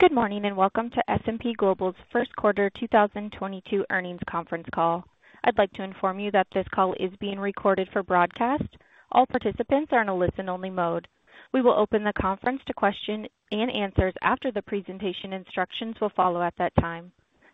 Good morning, and welcome to S&P Global's first quarter 2022 earnings conference call. I'd like to inform you that this call is being recorded for broadcast. All participants are in a listen-only mode. We will open the conference to question and answers after the presentation. Instructions will follow at that time.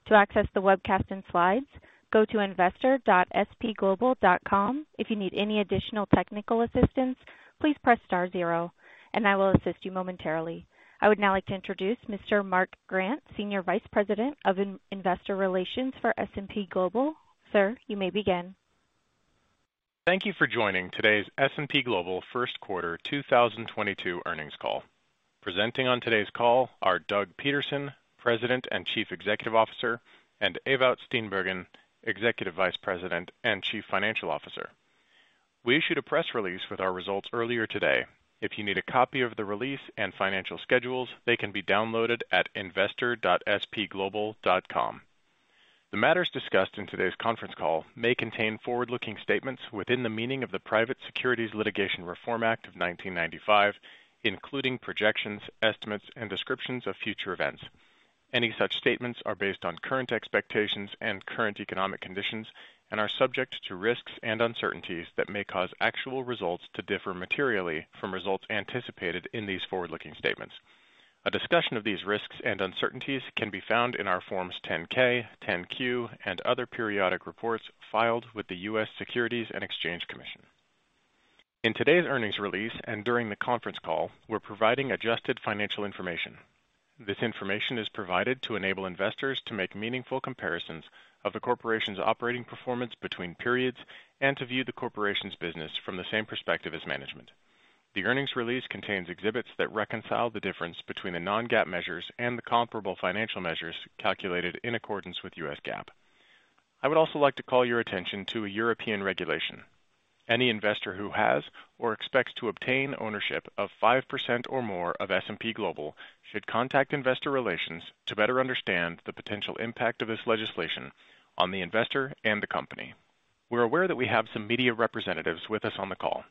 To access the webcast and slides, go to investor.spglobal.com. If you need any additional technical assistance, please press star zero, and I will assist you momentarily. I would now like to introduce Mr. Mark Grant, Senior Vice President of Investor Relations for S&P Global. Sir, you may begin. Thank you for joining today's S&P Global first quarter 2022 earnings call. Presenting on today's call are Doug Peterson, President and Chief Executive Officer; and Ewout Steenbergen, Executive Vice President and Chief Financial Officer. We issued a press release with our results earlier today. If you need a copy of the release and financial schedules, they can be downloaded at investor.spglobal.com. The matters discussed in today's conference call may contain forward-looking statements within the meaning of the Private Securities Litigation Reform Act of 1995, including projections, estimates, and descriptions of future events. Any such statements are based on current expectations and current economic conditions and are subject to risks and uncertainties that may cause actual results to differ materially from results anticipated in these forward-looking statements. A discussion of these risks and uncertainties can be found in our Form 10-K, 10-Q, and other periodic reports filed with the U.S. Securities and Exchange Commission. In today's earnings release and during the conference call, we're providing adjusted financial information. This information is provided to enable investors to make meaningful comparisons of the corporation's operating performance between periods and to view the corporation's business from the same perspective as management. The earnings release contains exhibits that reconcile the difference between the non-GAAP measures and the comparable financial measures calculated in accordance with U.S. GAAP. I would also like to call your attention to a European regulation. Any investor who has or expects to obtain ownership of 5% or more of S&P Global should contact Investor Relations to better understand the potential impact of this legislation on the investor and the company. We're aware that we have some media representatives with us on the call.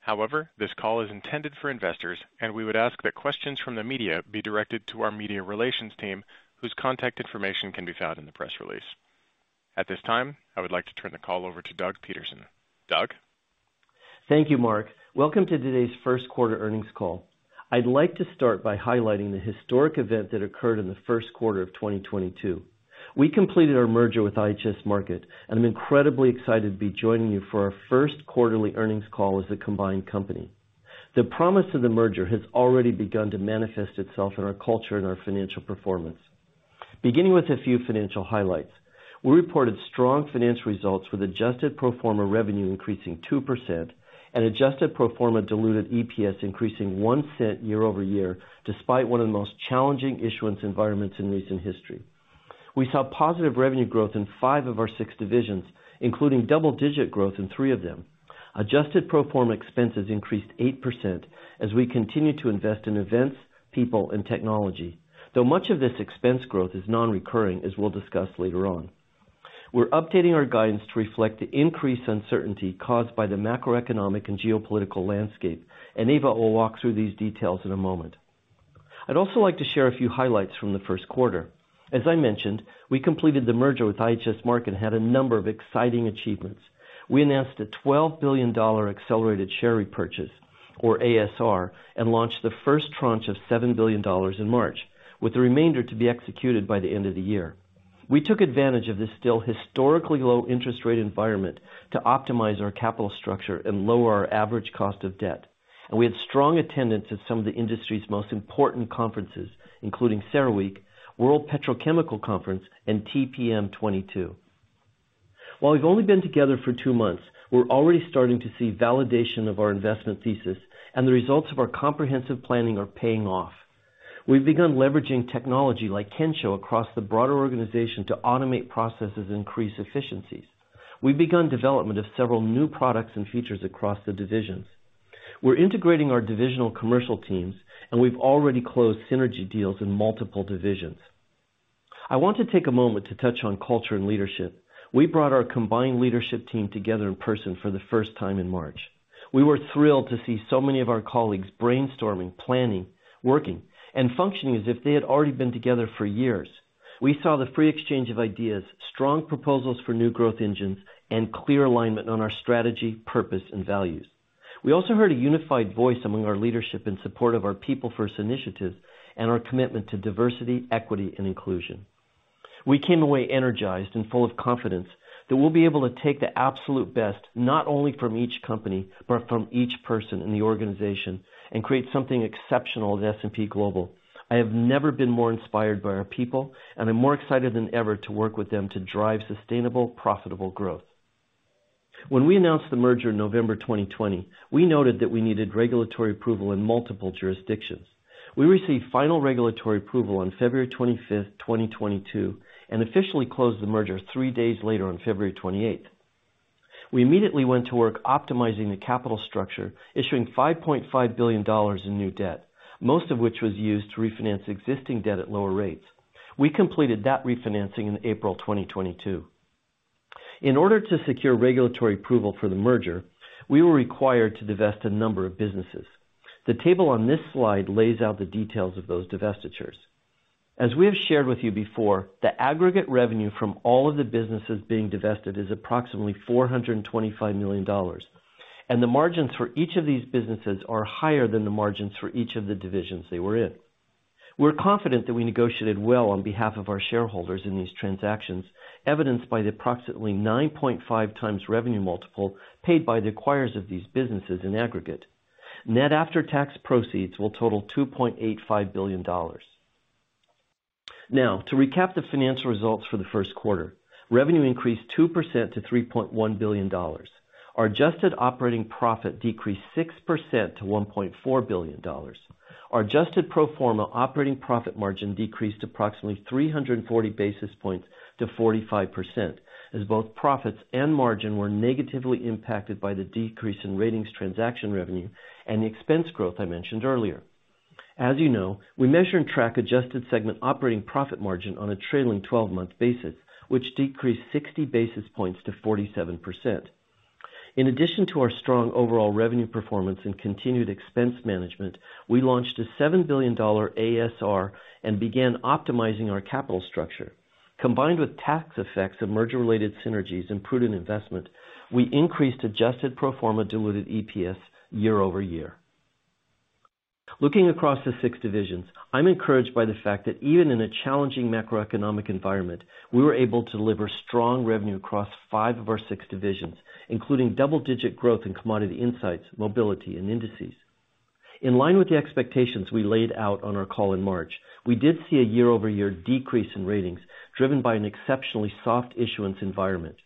However, this call is intended for investors, and we would ask that questions from the media be directed to our Media Relations team, whose contact information can be found in the press release. At this time, I would like to turn the call over to Doug Peterson. Doug. Thank you, Mark. Welcome to today's first quarter earnings call. I'd like to start by highlighting the historic event that occurred in the first quarter of 2022. We completed our merger with IHS Markit, and I'm incredibly excited to be joining you for our first quarterly earnings call as a combined company. The promise of the merger has already begun to manifest itself in our culture and our financial performance. Beginning with a few financial highlights. We reported strong financial results with adjusted pro forma revenue increasing 2% and adjusted pro forma diluted EPS increasing $0.01 year-over-year, despite one of the most challenging issuance environments in recent history. We saw positive revenue growth in five of our six divisions, including double-digit growth in three of them. Adjusted pro forma expenses increased 8% as we continue to invest in events, people, and technology, though much of this expense growth is non-recurring, as we'll discuss later on. We're updating our guidance to reflect the increased uncertainty caused by the macroeconomic and geopolitical landscape, and Ewout will walk through these details in a moment. I'd also like to share a few highlights from the first quarter. As I mentioned, we completed the merger with IHS Markit and had a number of exciting achievements. We announced a $12 billion accelerated share repurchase or ASR and launched the first tranche of $7 billion in March, with the remainder to be executed by the end of the year. We took advantage of this still historically low interest rate environment to optimize our capital structure and lower our average cost of debt. We had strong attendance at some of the industry's most important conferences, including CERAWeek, World Petrochemical Conference, and TPM22. While we've only been together for two months, we're already starting to see validation of our investment thesis, and the results of our comprehensive planning are paying off. We've begun leveraging technology like Kensho across the broader organization to automate processes and increase efficiencies. We've begun development of several new products and features across the divisions. We're integrating our divisional commercial teams, and we've already closed synergy deals in multiple divisions. I want to take a moment to touch on culture and leadership. We brought our combined leadership team together in person for the first time in March. We were thrilled to see so many of our colleagues brainstorming, planning, working, and functioning as if they had already been together for years. We saw the free exchange of ideas, strong proposals for new growth engines, and clear alignment on our strategy, purpose, and values. We also heard a unified voice among our leadership in support of our People First initiative and our commitment to diversity, equity, and inclusion. We came away energized and full of confidence that we'll be able to take the absolute best, not only from each company, but from each person in the organization, and create something exceptional at S&P Global. I have never been more inspired by our people, and I'm more excited than ever to work with them to drive sustainable, profitable growth. When we announced the merger in November 2020, we noted that we needed regulatory approval in multiple jurisdictions. We received final regulatory approval on February 25th, 2022, and officially closed the merger three days later on February 28th. We immediately went to work optimizing the capital structure, issuing $5.5 billion in new debt, most of which was used to refinance existing debt at lower rates. We completed that refinancing in April 2022. In order to secure regulatory approval for the merger, we were required to divest a number of businesses. The table on this slide lays out the details of those divestitures. As we have shared with you before, the aggregate revenue from all of the businesses being divested is approximately $425 million, and the margins for each of these businesses are higher than the margins for each of the divisions they were in. We're confident that we negotiated well on behalf of our shareholders in these transactions, evidenced by the approximately 9.5x revenue multiple paid by the acquirers of these businesses in aggregate. Net after-tax proceeds will total $2.85 billion. Now, to recap the financial results for the first quarter, revenue increased 2% to $3.1 billion. Our adjusted operating profit decreased 6% to $1.4 billion. Our adjusted pro forma operating profit margin decreased approximately 340 basis points to 45%, as both profits and margin were negatively impacted by the decrease in Ratings transaction revenue and the expense growth I mentioned earlier. As you know, we measure and track adjusted segment operating profit margin on a trailing 12-month basis, which decreased 60 basis points to 47%. In addition to our strong overall revenue performance and continued expense management, we launched a $7 billion ASR and began optimizing our capital structure. Combined with tax effects of merger-related synergies and prudent investment, we increased adjusted pro forma diluted EPS year-over-year. Looking across the six divisions, I'm encouraged by the fact that even in a challenging macroeconomic environment, we were able to deliver strong revenue across five of our six divisions, including double-digit growth in Commodity Insights, Mobility, and Indices. In line with the expectations we laid out on our call in March, we did see a year-over-year decrease in Ratings, driven by an exceptionally soft issuance environment.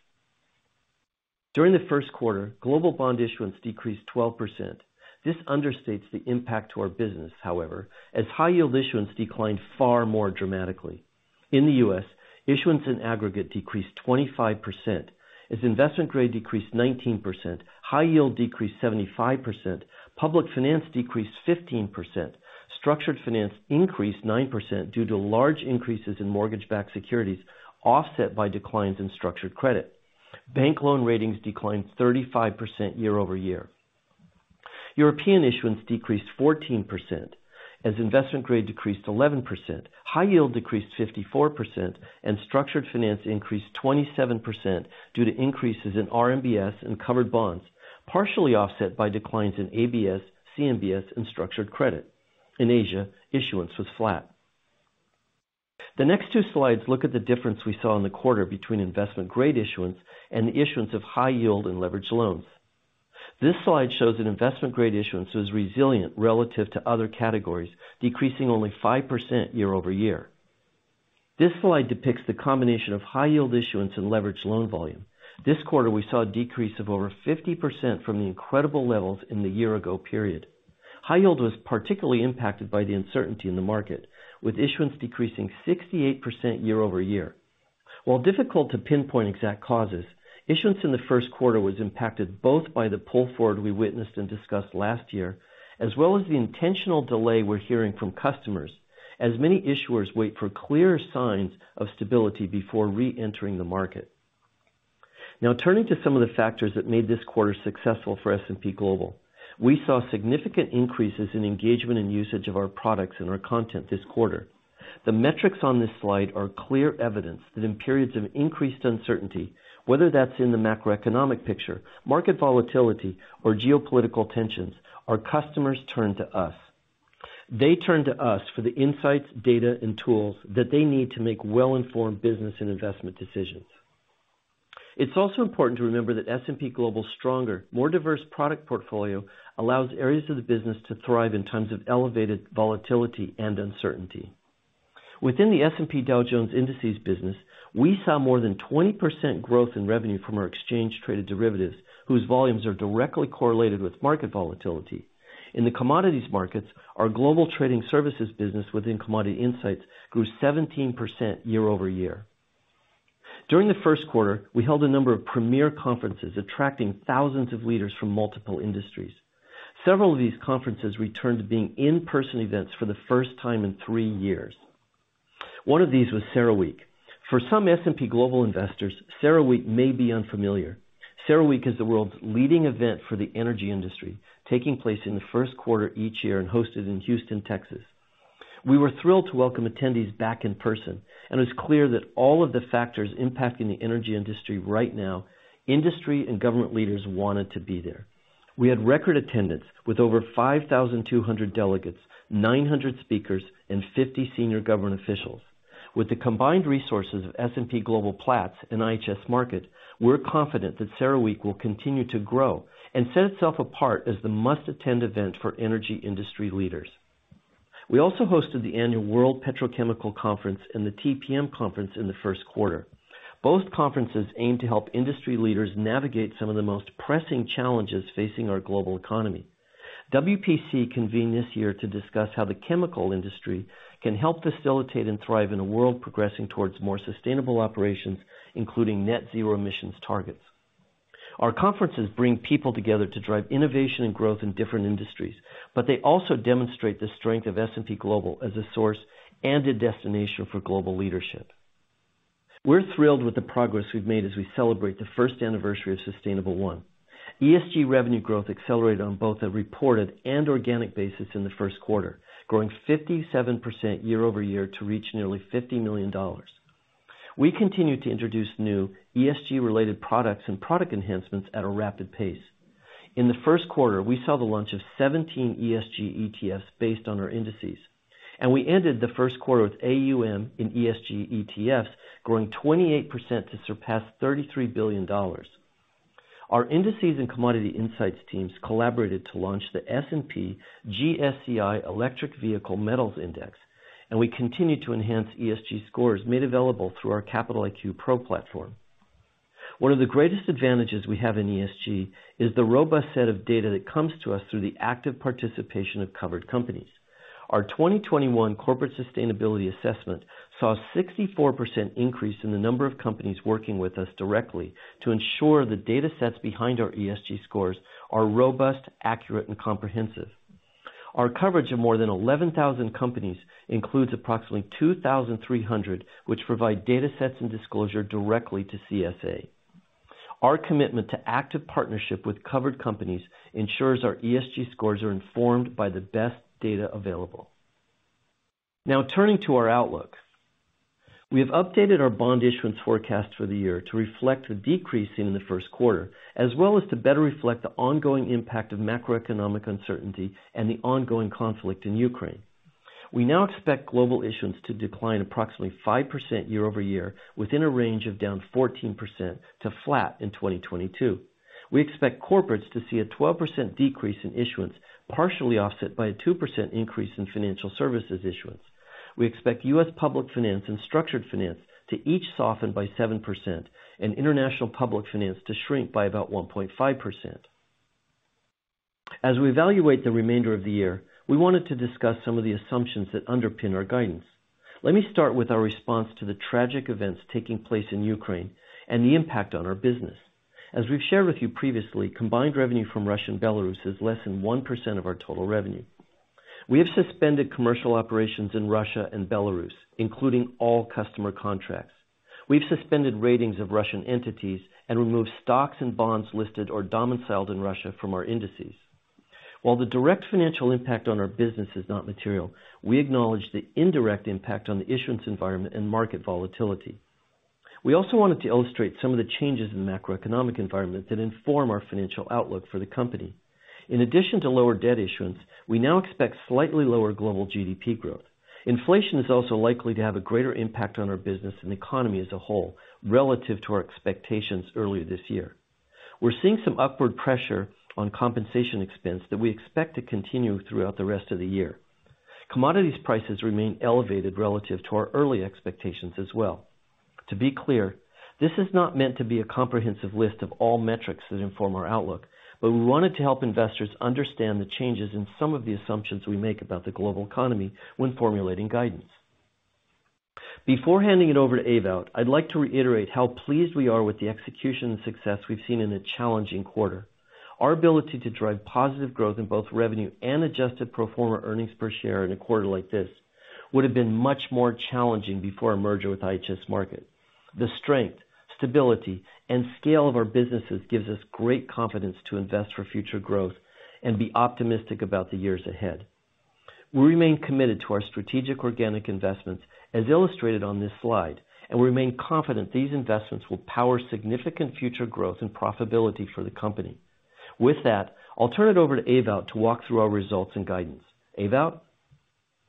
During the first quarter, global bond issuance decreased 12%. This understates the impact to our business, however, as high-yield issuance declined far more dramatically. In the U.S., issuance in aggregate decreased 25%. As investment-grade decreased 19%, high-yield decreased 75%, public finance decreased 15%. Structured finance increased 9% due to large increases in mortgage-backed securities, offset by declines in structured credit. Bank loan ratings declined 35% year-over-year. European issuance decreased 14% as investment-grade decreased 11%, high-yield decreased 54%, and structured finance increased 27% due to increases in RMBS and covered bonds, partially offset by declines in ABS, CMBS, and structured credit. In Asia, issuance was flat. The next two slides look at the difference we saw in the quarter between investment-grade issuance and the issuance of high-yield and leveraged loans. This slide shows that investment-grade issuance was resilient relative to other categories, decreasing only 5% year-over-year. This slide depicts the combination of high-yield issuance and leveraged loan volume. This quarter, we saw a decrease of over 50% from the incredible levels in the year-ago period. High-yield was particularly impacted by the uncertainty in the market, with issuance decreasing 68% year-over-year. While difficult to pinpoint exact causes, issuance in the first quarter was impacted both by the pull-forward we witnessed and discussed last year, as well as the intentional delay we're hearing from customers as many issuers wait for clearer signs of stability before reentering the market. Now turning to some of the factors that made this quarter successful for S&P Global. We saw significant increases in engagement and usage of our products and our content this quarter. The metrics on this slide are clear evidence that in periods of increased uncertainty, whether that's in the macroeconomic picture, market volatility, or geopolitical tensions, our customers turn to us. They turn to us for the insights, data, and tools that they need to make well-informed business and investment decisions. It's also important to remember that S&P Global's stronger, more diverse product portfolio allows areas of the business to thrive in times of elevated volatility and uncertainty. Within the S&P Dow Jones Indices business, we saw more than 20% growth in revenue from our exchange traded derivatives, whose volumes are directly correlated with market volatility. In the commodities markets, our global trading services business within Commodity Insights grew 17% year-over-year. During the first quarter, we held a number of premier conferences attracting thousands of leaders from multiple industries. Several of these conferences returned to being in-person events for the first time in three years. One of these was CERAWeek. For some S&P Global investors, CERAWeek may be unfamiliar. CERAWeek is the world's leading event for the energy industry, taking place in the first quarter each year and hosted in Houston, Texas. We were thrilled to welcome attendees back in person, and it was clear that all of the factors impacting the energy industry right now, industry and government leaders wanted to be there. We had record attendance with over 5,200 delegates, 900 speakers, and 50 senior government officials. With the combined resources of S&P Global Platts and IHS Markit, we're confident that CERAWeek will continue to grow and set itself apart as the must-attend event for energy industry leaders. We also hosted the Annual World Petrochemical Conference and the TPM Conference in the first quarter. Both conferences aim to help industry leaders navigate some of the most pressing challenges facing our global economy. WPC convened this year to discuss how the chemical industry can help facilitate and thrive in a world progressing towards more sustainable operations, including net-zero emissions targets. Our conferences bring people together to drive innovation and growth in different industries, but they also demonstrate the strength of S&P Global as a source and a destination for global leadership. We're thrilled with the progress we've made as we celebrate the first anniversary of Sustainable1. ESG revenue growth accelerated on both a reported and organic basis in the first quarter, growing 57% year-over-year to reach nearly $50 million. We continue to introduce new ESG-related products and product enhancements at a rapid pace. In the first quarter, we saw the launch of 17 ESG ETFs based on our indices, and we ended the first quarter with AUM in ESG ETFs growing 28% to surpass $33 billion. Our indices and Commodity Insights teams collaborated to launch the S&P GSCI Electric Vehicle Metals Index, and we continue to enhance ESG scores made available through our Capital IQ Pro platform. One of the greatest advantages we have in ESG is the robust set of data that comes to us through the active participation of covered companies. Our 2021 corporate sustainability assessment saw a 64% increase in the number of companies working with us directly to ensure the data sets behind our ESG scores are robust, accurate and comprehensive. Our coverage of more than 11,000 companies includes approximately 2,300, which provide data sets and disclosure directly to CSA. Our commitment to active partnership with covered companies ensures our ESG scores are informed by the best data available. Now turning to our outlook. We have updated our bond issuance forecast for the year to reflect the decrease in the first quarter, as well as to better reflect the ongoing impact of macroeconomic uncertainty and the ongoing conflict in Ukraine. We now expect global issuance to decline approximately 5% year-over-year within a range of down 14% to flat in 2022. We expect corporates to see a 12% decrease in issuance, partially offset by a 2% increase in financial services issuance. We expect U.S. public finance and structured finance to each soften by 7% and international public finance to shrink by about 1.5%. As we evaluate the remainder of the year, we wanted to discuss some of the assumptions that underpin our guidance. Let me start with our response to the tragic events taking place in Ukraine and the impact on our business. As we've shared with you previously, combined revenue from Russia and Belarus is less than 1% of our total revenue. We have suspended commercial operations in Russia and Belarus, including all customer contracts. We've suspended ratings of Russian entities and removed stocks and bonds listed or domiciled in Russia from our indices. While the direct financial impact on our business is not material, we acknowledge the indirect impact on the issuance environment and market volatility. We also wanted to illustrate some of the changes in the macroeconomic environment that inform our financial outlook for the company. In addition to lower debt issuance, we now expect slightly lower global GDP growth. Inflation is also likely to have a greater impact on our business and the economy as a whole, relative to our expectations earlier this year. We're seeing some upward pressure on compensation expense that we expect to continue throughout the rest of the year. Commodities prices remain elevated relative to our early expectations as well. To be clear, this is not meant to be a comprehensive list of all metrics that inform our outlook, but we wanted to help investors understand the changes in some of the assumptions we make about the global economy when formulating guidance. Before handing it over to Ewout, I'd like to reiterate how pleased we are with the execution and success we've seen in a challenging quarter. Our ability to drive positive growth in both revenue and adjusted pro forma earnings per share in a quarter like this would have been much more challenging before our merger with IHS Markit. The strength, stability, and scale of our businesses gives us great confidence to invest for future growth and be optimistic about the years ahead. We remain committed to our strategic organic investments as illustrated on this slide, and we remain confident these investments will power significant future growth and profitability for the company. With that, I'll turn it over to Ewout to walk through our results and guidance. Ewout.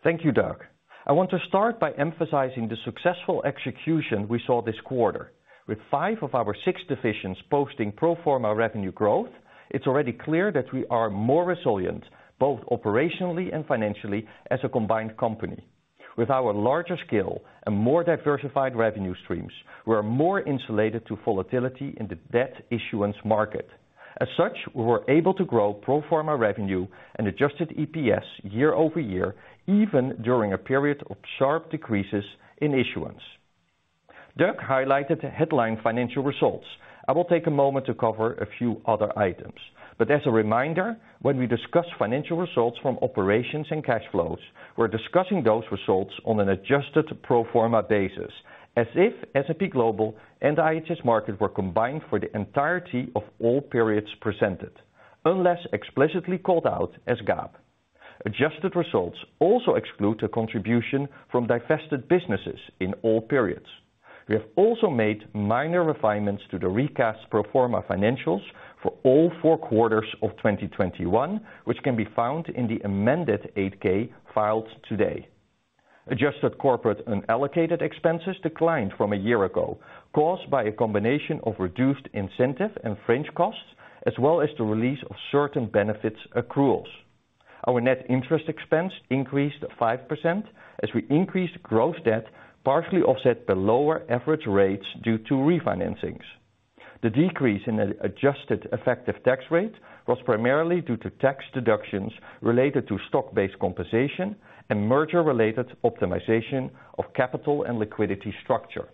Thank you, Doug. I want to start by emphasizing the successful execution we saw this quarter. With five of our six divisions posting pro forma revenue growth, it's already clear that we are more resilient, both operationally and financially as a combined company. With our larger scale and more diversified revenue streams, we are more insulated to volatility in the debt issuance market. As such, we were able to grow pro forma revenue and adjusted EPS year-over-year, even during a period of sharp decreases in issuance. Doug highlighted the headline financial results. I will take a moment to cover a few other items. As a reminder, when we discuss financial results from operations and cash flows, we're discussing those results on an adjusted pro forma basis, as if S&P Global and IHS Markit were combined for the entirety of all periods presented, unless explicitly called out as GAAP. Adjusted results also exclude the contribution from divested businesses in all periods. We have also made minor refinements to the recast pro forma financials for all four quarters of 2021, which can be found in the amended 8-K filed today. Adjusted corporate unallocated expenses declined from a year ago, caused by a combination of reduced incentive and fringe costs, as well as the release of certain benefits accruals. Our net interest expense increased 5% as we increased gross debt, partially offset by lower average rates due to refinancings. The decrease in the adjusted effective tax rate was primarily due to tax deductions related to stock-based compensation and merger-related optimization of capital and liquidity structure.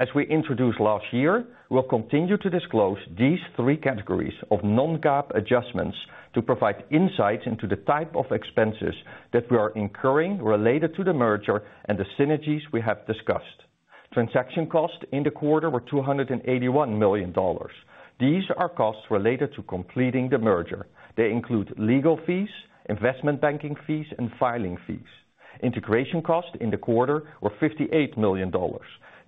As we introduced last year, we'll continue to disclose these three categories of non-GAAP adjustments to provide insights into the type of expenses that we are incurring related to the merger and the synergies we have discussed. Transaction costs in the quarter were $281 million. These are costs related to completing the merger. They include legal fees, investment banking fees, and filing fees. Integration costs in the quarter were $58 million.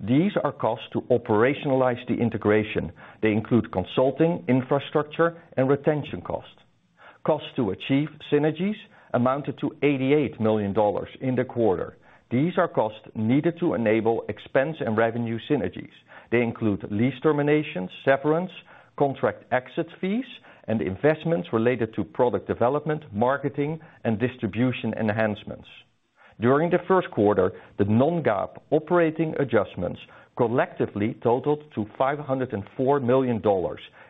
These are costs to operationalize the integration. They include consulting, infrastructure, and retention costs. Costs to achieve synergies amounted to $88 million in the quarter. These are costs needed to enable expense and revenue synergies. They include lease terminations, severance, contract exit fees, and investments related to product development, marketing, and distribution enhancements. During the first quarter, the non-GAAP operating adjustments collectively totaled to $504 million,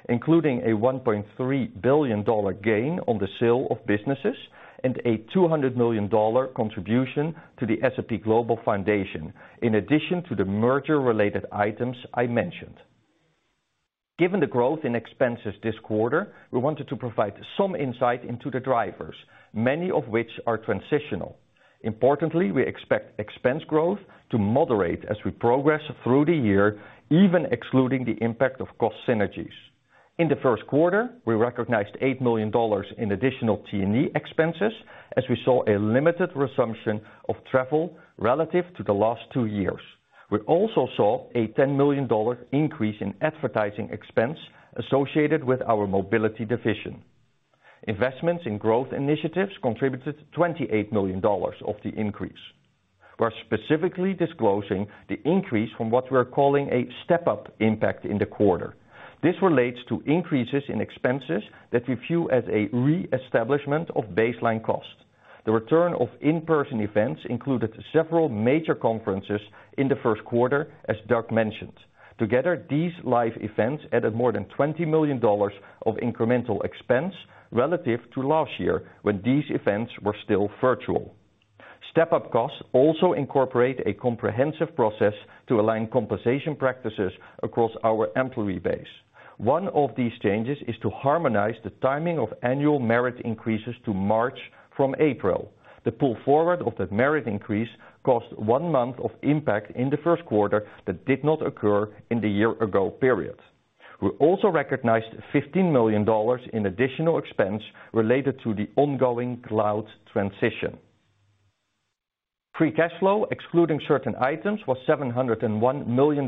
including a $1.3 billion gain on the sale of businesses and a $200 million contribution to the S&P Global Foundation, in addition to the merger-related items I mentioned. Given the growth in expenses this quarter, we wanted to provide some insight into the drivers, many of which are transitional. Importantly, we expect expense growth to moderate as we progress through the year, even excluding the impact of cost synergies. In the first quarter, we recognized $8 million in additional T&E expenses as we saw a limited resumption of travel relative to the last two years. We also saw a $10 million increase in advertising expense associated with our mobility division. Investments in growth initiatives contributed $28 million of the increase. We're specifically disclosing the increase from what we're calling a step-up impact in the quarter. This relates to increases in expenses that we view as a reestablishment of baseline cost. The return of in-person events included several major conferences in the first quarter, as Doug mentioned. Together, these live events added more than $20 million of incremental expense relative to last year when these events were still virtual. Step-up costs also incorporate a comprehensive process to align compensation practices across our employee base. One of these changes is to harmonize the timing of annual merit increases to March from April. The pull-forward of the merit increase cost one month of impact in the first quarter that did not occur in the year-ago period. We also recognized $15 million in additional expense related to the ongoing cloud transition. Free cash flow, excluding certain items, was $701 million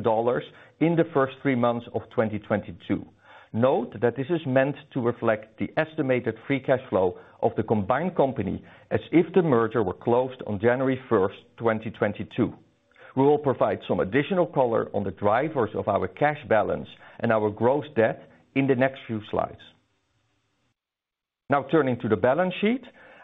in the first three months of 2022. Note that this is meant to reflect the estimated free cash flow of the combined company as if the merger were closed on January 1st, 2022. We will provide some additional color on the drivers of our cash balance and our gross debt in the next few slides. Now turning to the balance sheet.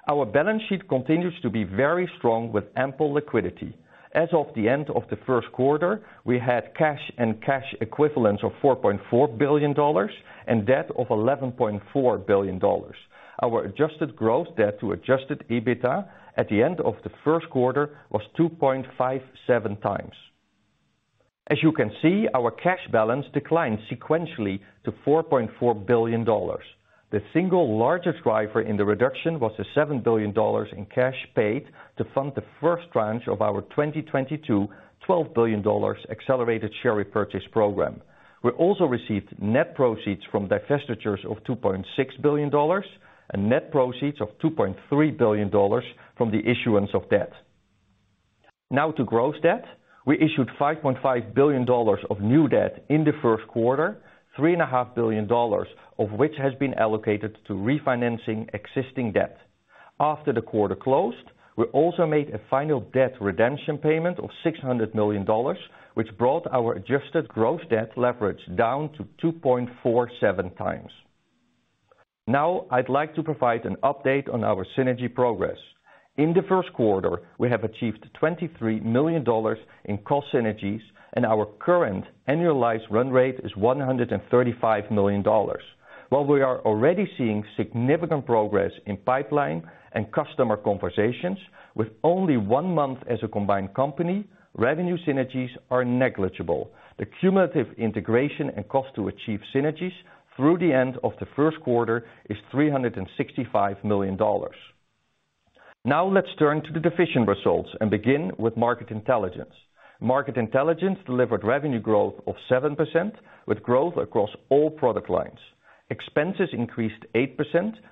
Our balance sheet continues to be very strong with ample liquidity. As of the end of the first quarter, we had cash and cash equivalents of $4.4 billion and debt of $11.4 billion. Our adjusted gross debt to Adjusted EBITDA at the end of the first quarter was 2.57x. As you can see, our cash balance declined sequentially to $4.4 billion. The single largest driver in the reduction was the $7 billion in cash paid to fund the first tranche of our 2022 $12 billion accelerated share repurchase program. We also received net proceeds from divestitures of $2.6 billion and net proceeds of $2.3 billion from the issuance of debt. Now to gross debt. We issued $5.5 billion of new debt in the first quarter, $3.5 billion of which has been allocated to refinancing existing debt. After the quarter closed, we also made a final debt redemption payment of $600 million, which brought our adjusted gross debt leverage down to 2.47x. Now, I'd like to provide an update on our synergy progress. In the first quarter, we have achieved $23 million in cost synergies, and our current annualized run rate is $135 million. While we are already seeing significant progress in pipeline and customer conversations, with only one month as a combined company, revenue synergies are negligible. The cumulative integration and cost to achieve synergies through the end of the first quarter is $365 million. Now let's turn to the division results and begin with Market Intelligence. Market Intelligence delivered revenue growth of 7% with growth across all product lines. Expenses increased 8%,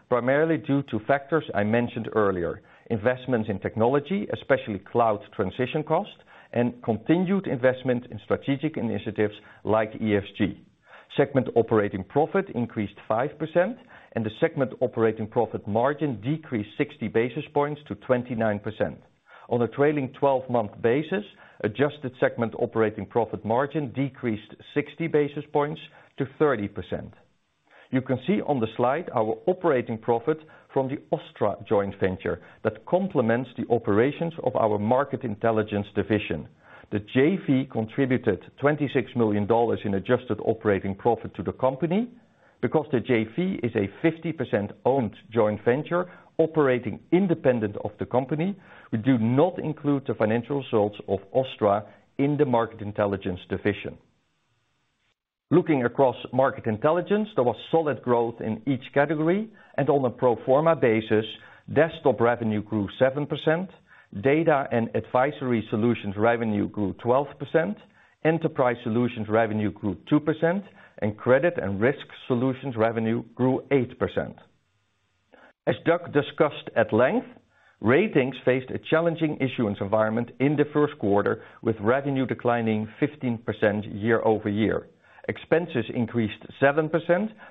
primarily due to factors I mentioned earlier, investments in technology, especially cloud transition cost, and continued investment in strategic initiatives like ESG. Segment operating profit increased 5%, and the segment operating profit margin decreased 60 basis points to 29%. On a trailing 12-month basis, adjusted segment operating profit margin decreased 60 basis points to 30%. You can see on the slide our operating profit from the OSTTRA joint venture that complements the operations of our Market Intelligence division. The JV contributed $26 million in adjusted operating profit to the company. Because the JV is a 50%-owned joint venture operating independent of the company, we do not include the financial results of OSTTRA in the Market Intelligence division. Looking across Market Intelligence, there was solid growth in each category, and on a pro forma basis, desktop revenue grew 7%, data and advisory solutions revenue grew 12%, enterprise solutions revenue grew 2%, and credit and risk solutions revenue grew 8%. As Doug discussed at length, Ratings faced a challenging issuance environment in the first quarter, with revenue declining 15% year-over-year. Expenses increased 7%,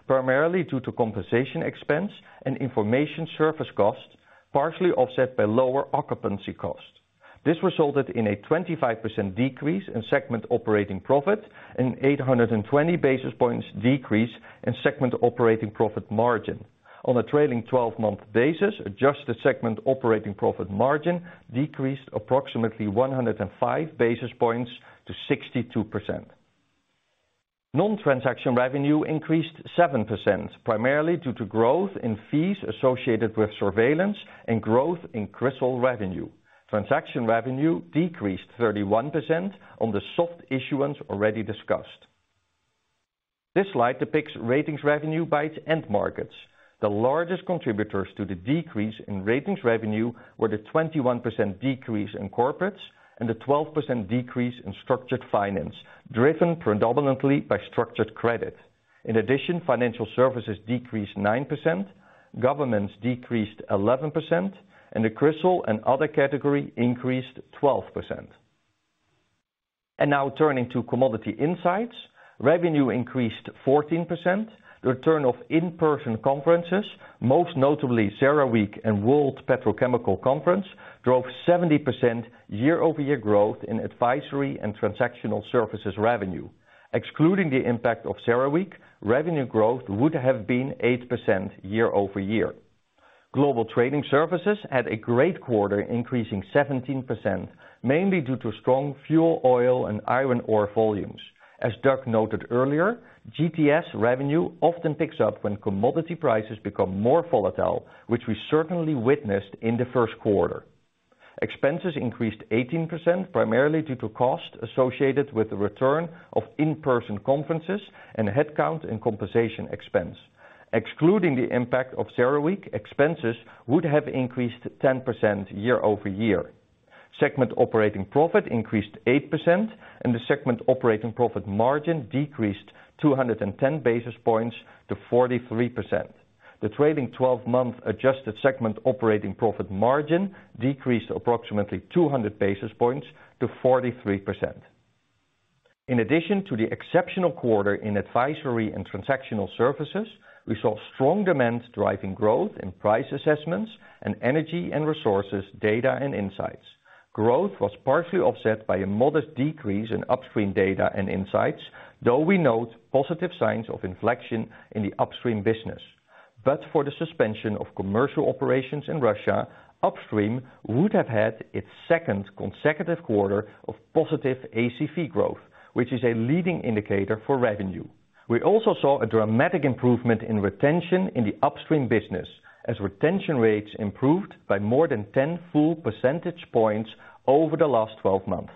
primarily due to compensation expense and information service costs, partially offset by lower occupancy costs. This resulted in a 25% decrease in segment operating profit and 820 basis points decrease in segment operating profit margin. On a trailing 12-month basis, adjusted segment operating profit margin decreased approximately 105 basis points to 62%. Non-transaction revenue increased 7%, primarily due to growth in fees associated with Surveillance and growth in CRISIL revenue. Transaction revenue decreased 31% on the soft issuance already discussed. This slide depicts Ratings revenue by its end markets. The largest contributors to the decrease in Ratings revenue were the 21% decrease in corporates and the 12% decrease in structured finance, driven predominantly by structured credit. In addition, financial services decreased 9%, governments decreased 11%, and the CRISIL and other category increased 12%. Now turning to Commodity Insights. Revenue increased 14%. The return of in-person conferences, most notably CERAWeek and World Petrochemical Conference, drove 70% year-over-year growth in advisory and transactional services revenue. Excluding the impact of CERAWeek, revenue growth would have been 8% year-over-year. Global trading services had a great quarter, increasing 17%, mainly due to strong fuel, oil and iron ore volumes. As Doug noted earlier, GTS revenue often picks up when commodity prices become more volatile, which we certainly witnessed in the first quarter. Expenses increased 18%, primarily due to costs associated with the return of in-person conferences and headcount and compensation expense. Excluding the impact of CERAWeek, expenses would have increased 10% year-over-year. Segment operating profit increased 8%, and the segment operating profit margin decreased 210 basis points to 43%. The trailing 12-month adjusted segment operating profit margin decreased approximately 200 basis points to 43%. In addition to the exceptional quarter in advisory and transactional services, we saw strong demand driving growth in price assessments and energy and resources, data and insights. Growth was partially offset by a modest decrease in upstream data and insights, though we note positive signs of inflection in the upstream business. For the suspension of commercial operations in Russia, upstream would have had its second consecutive quarter of positive ACV growth, which is a leading indicator for revenue. We also saw a dramatic improvement in retention in the upstream business as retention rates improved by more than 10 full percentage points over the last 12 months.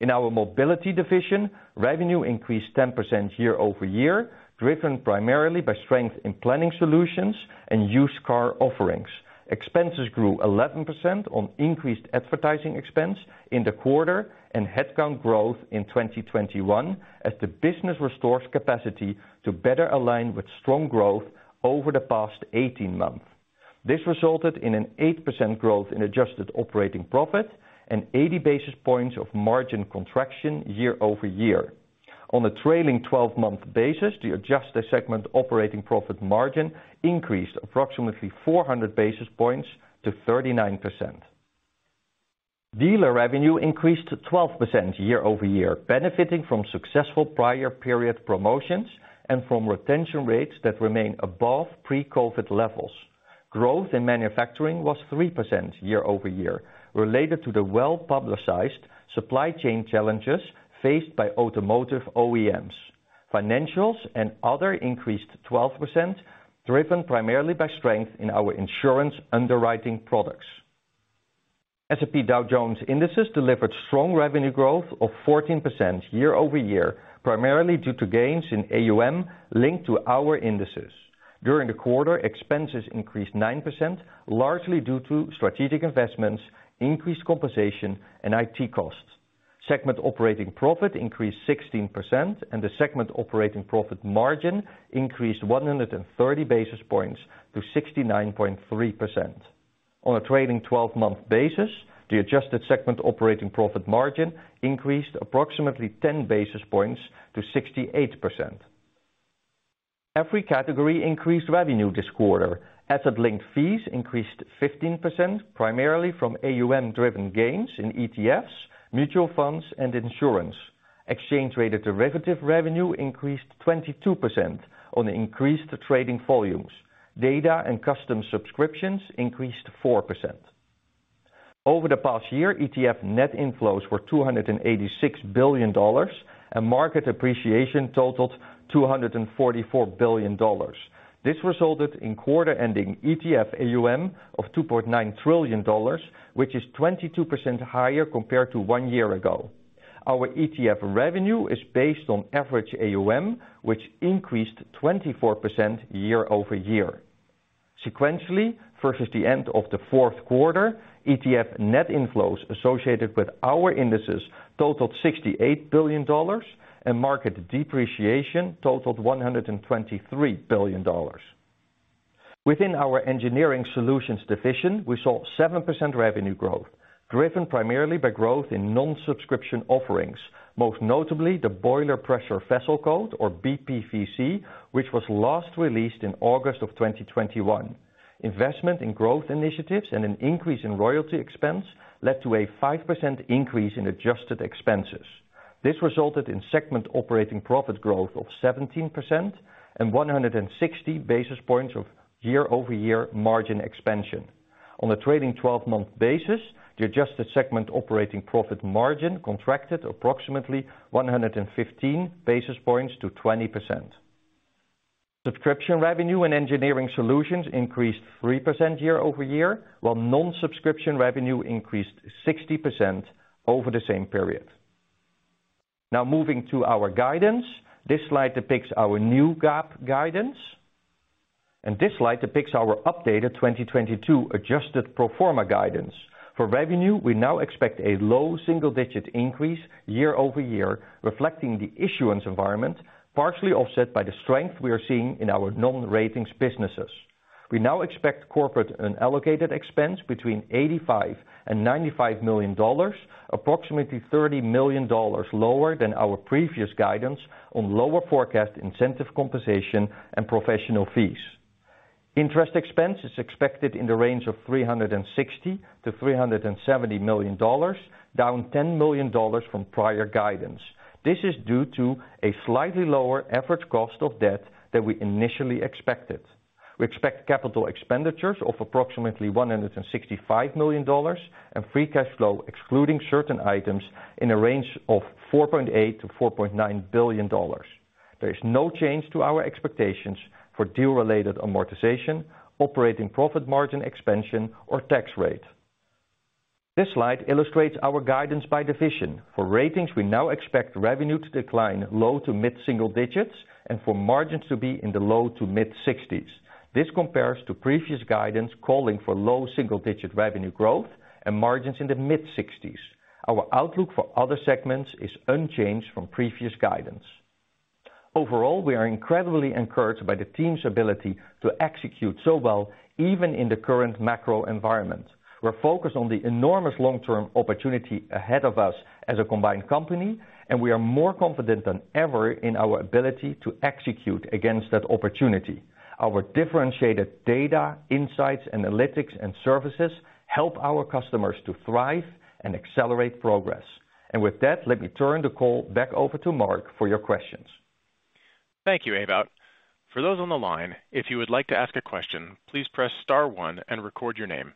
In our mobility division, revenue increased 10% year-over-year, driven primarily by strength in planning solutions and used car offerings. Expenses grew 11% on increased advertising expense in the quarter and headcount growth in 2021 as the business restores capacity to better align with strong growth over the past 18 months. This resulted in an 8% growth in adjusted operating profit and 80 basis points of margin contraction year-over-year. On a trailing 12-month basis, the adjusted segment operating profit margin increased approximately 400 basis points to 39%. Dealer revenue increased 12% year-over-year, benefiting from successful prior period promotions and from retention rates that remain above pre-COVID levels. Growth in manufacturing was 3% year-over-year, related to the well-publicized supply chain challenges faced by automotive OEMs. Financials and Other increased 12%, driven primarily by strength in our insurance underwriting products. S&P Dow Jones Indices delivered strong revenue growth of 14% year-over-year, primarily due to gains in AUM linked to our indices. During the quarter, expenses increased 9%, largely due to strategic investments, increased compensation and IT costs. Segment operating profit increased 16% and the segment operating profit margin increased 130 basis points to 69.3%. On a trailing 12-month basis, the adjusted segment operating profit margin increased approximately 10 basis points to 68%. Every category increased revenue this quarter. Asset-linked fees increased 15%, primarily from AUM-driven gains in ETFs, mutual funds and insurance. Exchange rated derivative revenue increased 22% on increased trading volumes. Data and custom subscriptions increased 4%. Over the past year, ETF net inflows were $286 billion, and market appreciation totaled $244 billion. This resulted in quarter-ending ETF AUM of $2.9 trillion, which is 22% higher compared to one year ago. Our ETF revenue is based on average AUM, which increased 24% year-over-year. Sequentially, versus the end of the fourth quarter, ETF net inflows associated with our indices totaled $68 billion, and market depreciation totaled $123 billion. Within our Engineering Solutions division, we saw 7% revenue growth, driven primarily by growth in non-subscription offerings, most notably the Boiler Pressure Vessel Code, or BPVC, which was last released in August 2021. Investment in growth initiatives and an increase in royalty expense led to a 5% increase in adjusted expenses. This resulted in segment operating profit growth of 17% and 160 basis points of year-over-year margin expansion. On a trading 12-month basis, the adjusted segment operating profit margin contracted approximately 115 basis points to 20%. Subscription revenue and Engineering Solutions increased 3% year-over-year, while non-subscription revenue increased 60% over the same period. Now moving to our guidance. This slide depicts our new GAAP guidance. This slide depicts our updated 2022 adjusted pro forma guidance. For revenue, we now expect a low single-digit increase year-over-year, reflecting the issuance environment, partially offset by the strength we are seeing in our non-Ratings businesses. We now expect corporate unallocated expense between $85 million and $95 million, approximately $30 million lower than our previous guidance on lower forecast incentive compensation and professional fees. Interest expense is expected in the range of $360 million-$370 million, down $10 million from prior guidance. This is due to a slightly lower average cost of debt than we initially expected. We expect capital expenditures of approximately $165 million and free cash flow excluding certain items in a range of $4.8 billion-$4.9 billion. There is no change to our expectations for deal-related amortization, operating profit margin expansion, or tax rate. This slide illustrates our guidance by division. For Ratings, we now expect revenue to decline low- to mid-single-digit and for margins to be in the low- to mid-60s. This compares to previous guidance calling for low-single-digit revenue growth and margins in the mid-60s. Our outlook for other segments is unchanged from previous guidance. Overall, we are incredibly encouraged by the team's ability to execute so well, even in the current macro environment. We're focused on the enormous long-term opportunity ahead of us as a combined company, and we are more confident than ever in our ability to execute against that opportunity. Our differentiated data, insights, analytics, and services help our customers to thrive and accelerate progress. With that, let me turn the call back over to Mark for your questions. Thank you, Ewout. For those on the line, if you would like to ask a question, please press star one and record your name.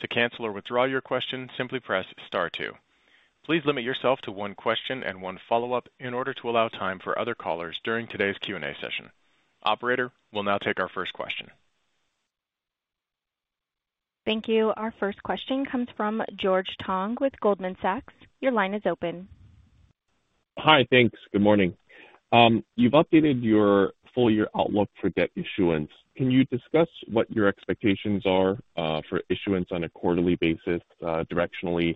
To cancel or withdraw your question, simply press star two. Please limit yourself to one question and one follow-up in order to allow time for other callers during today's Q&A session. Operator, we'll now take our first question. Thank you. Our first question comes from George Tong with Goldman Sachs. Your line is open. Hi. Thanks. Good morning. You've updated your full year outlook for debt issuance. Can you discuss what your expectations are for issuance on a quarterly basis, directionally?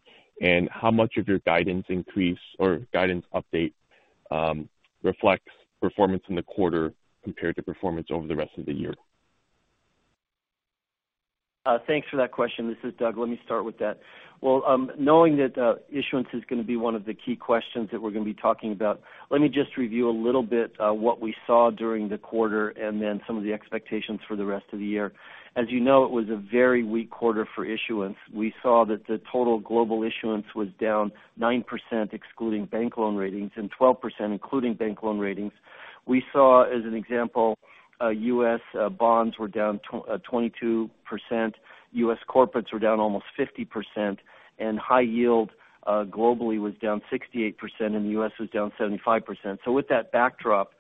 How much of your guidance increase or guidance update reflects performance in the quarter compared to performance over the rest of the year? Thanks for that question. This is Doug. Let me start with that. Well, knowing that issuance is gonna be one of the key questions that we're gonna be talking about, let me just review a little bit what we saw during the quarter and then some of the expectations for the rest of the year. As you know, it was a very weak quarter for issuance. We saw that the total global issuance was down 9%, excluding bank loan ratings, and 12%, including bank loan ratings. We saw, as an example, U.S. bonds were down 22%, U.S. corporates were down almost 50%, and high-yield globally was down 68%, and the U.S. was down 75%. With that backdrop,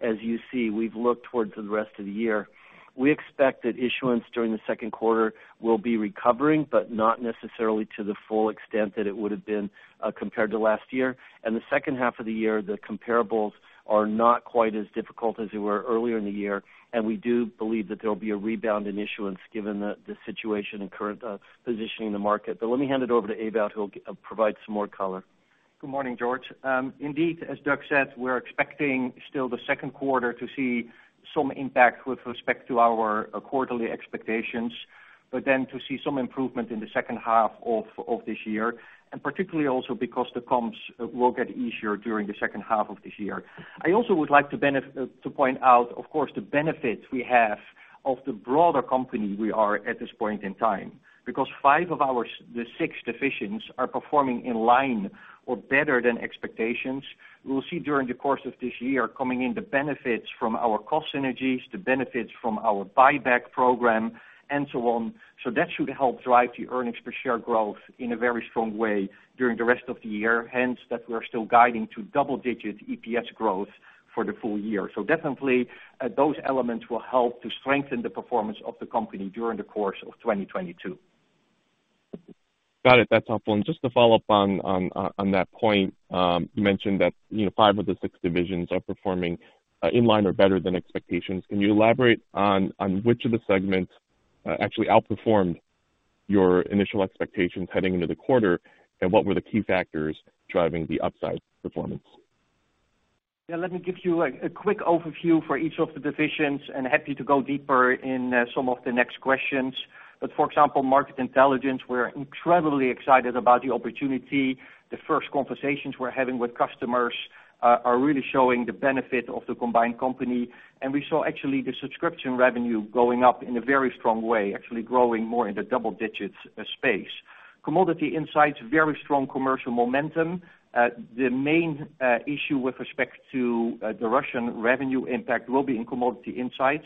as you see, we've looked towards the rest of the year. We expect that issuance during the second quarter will be recovering, but not necessarily to the full extent that it would have been, compared to last year. The second half of the year, the comparables are not quite as difficult as they were earlier in the year, and we do believe that there'll be a rebound in issuance given the situation and current position in the market. Let me hand it over to Ewout, who'll provide some more color. Good morning, George. Indeed, as Doug said, we're expecting still the second quarter to see some impact with respect to our quarterly expectations, but then to see some improvement in the second half of this year, and particularly also because the comps will get easier during the second half of this year. I also would like to point out, of course, the benefit we have of the broader company we are at this point in time. Because five of our six divisions are performing in line or better than expectations, we'll see during the course of this year coming in the benefits from our cost synergies, the benefits from our buyback program, and so on. That should help drive the earnings per share growth in a very strong way during the rest of the year, hence, that we are still guiding to double-digit EPS growth for the full year. Definitely, those elements will help to strengthen the performance of the company during the course of 2022. Got it. That's helpful. Just to follow up on that point, you mentioned that, you know, five of the six divisions are performing in line or better than expectations. Can you elaborate on which of the segments actually outperformed your initial expectations heading into the quarter, and what were the key factors driving the upside performance? Yeah, let me give you a quick overview for each of the divisions, and happy to go deeper in some of the next questions. For example, Market Intelligence, we're incredibly excited about the opportunity. The first conversations we're having with customers are really showing the benefit of the combined company, and we saw actually the subscription revenue going up in a very strong way, actually growing more in the double digits space. Commodity Insights, very strong commercial momentum. The main issue with respect to the Russian revenue impact will be in Commodity Insights,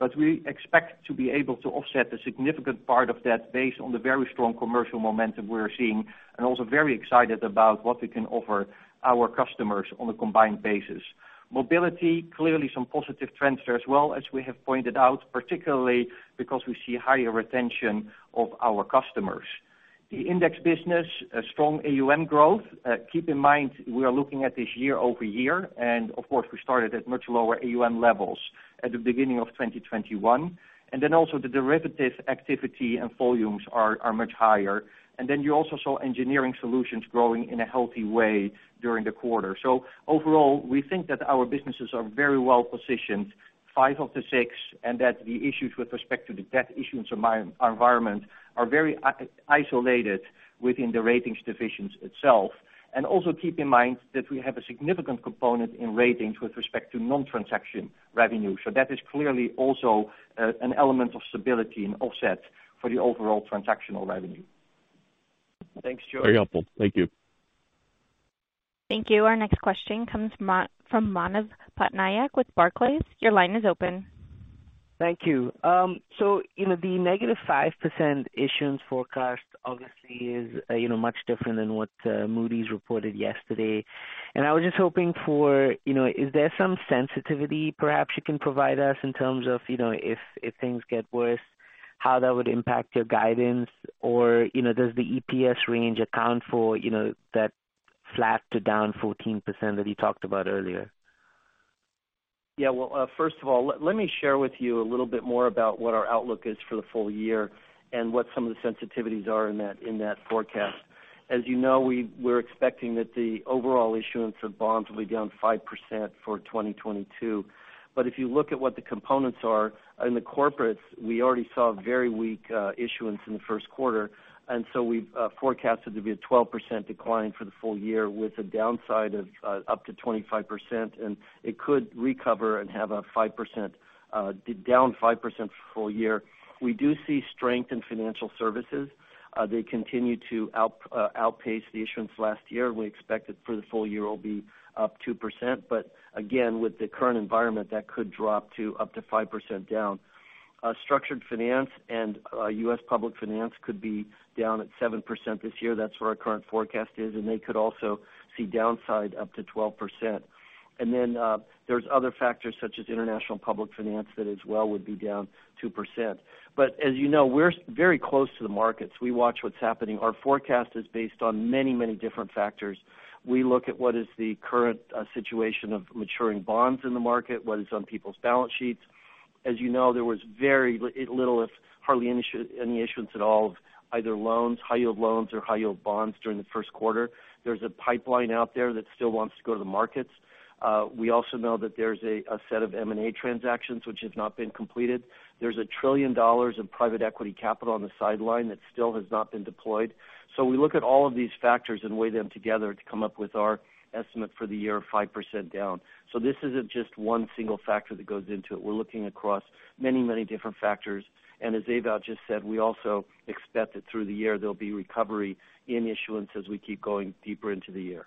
but we expect to be able to offset a significant part of that based on the very strong commercial momentum we're seeing, and also very excited about what we can offer our customers on a combined basis. Mobility, clearly some positive trends there as well as we have pointed out, particularly because we see higher retention of our customers. The Index business, a strong AUM growth. Keep in mind, we are looking at this year-over-year, and of course, we started at much lower AUM levels at the beginning of 2021. Then also the derivative activity and volumes are much higher. Then you also saw Engineering Solutions growing in a healthy way during the quarter. Overall, we think that our businesses are very well-positioned, five of the six, and that the issues with respect to the debt issuance environment are very isolated within the Ratings divisions itself. Also keep in mind that we have a significant component in Ratings with respect to non-transaction revenue. That is clearly also an element of stability and offset for the overall transactional revenue. Thanks, Doug Peterson. Very helpful. Thank you. Thank you. Our next question comes from Manav Patnaik with Barclays. Your line is open. Thank you. So, you know, the negative 5% issuance forecast obviously is, you know, much different than what Moody's reported yesterday. I was just hoping for, you know, is there some sensitivity perhaps you can provide us in terms of, you know, if things get worse, how that would impact your guidance? Or, you know, does the EPS range account for, you know, that flat to down 14% that you talked about earlier? Yeah. Well, first of all, let me share with you a little bit more about what our outlook is for the full year and what some of the sensitivities are in that forecast. As you know, we're expecting that the overall issuance of bonds will be down 5% for 2022. If you look at what the components are in the corporates, we already saw very weak issuance in the first quarter. We've forecasted to be a 12% decline for the full year with a downside of up to 25%, and it could recover and have a down 5% for full year. We do see strength in financial services. They continue to outpace the issuance last year. We expect it for the full year will be up 2%. Again, with the current environment, that could drop to up to 5% down. Structured finance and US public finance could be down at 7% this year. That's where our current forecast is, and they could also see downside up to 12%. Then, there's other factors such as international public finance that as well would be down 2%. As you know, we're very close to the markets. We watch what's happening. Our forecast is based on many, many different factors. We look at what is the current situation of maturing bonds in the market, what is on people's balance sheets. As you know, there was very little, if hardly any issuance at all of either loans, high-yield loans or high-yield bonds during the first quarter. There's a pipeline out there that still wants to go to the markets. We also know that there's a set of M&A transactions which have not been completed. There's $1 trillion in private equity capital on the sideline that still has not been deployed. We look at all of these factors and weigh them together to come up with our estimate for the year, 5% down. This isn't just one single factor that goes into it. We're looking across many, many different factors. As Ewout just said, we also expect that through the year, there'll be recovery in issuance as we keep going deeper into the year.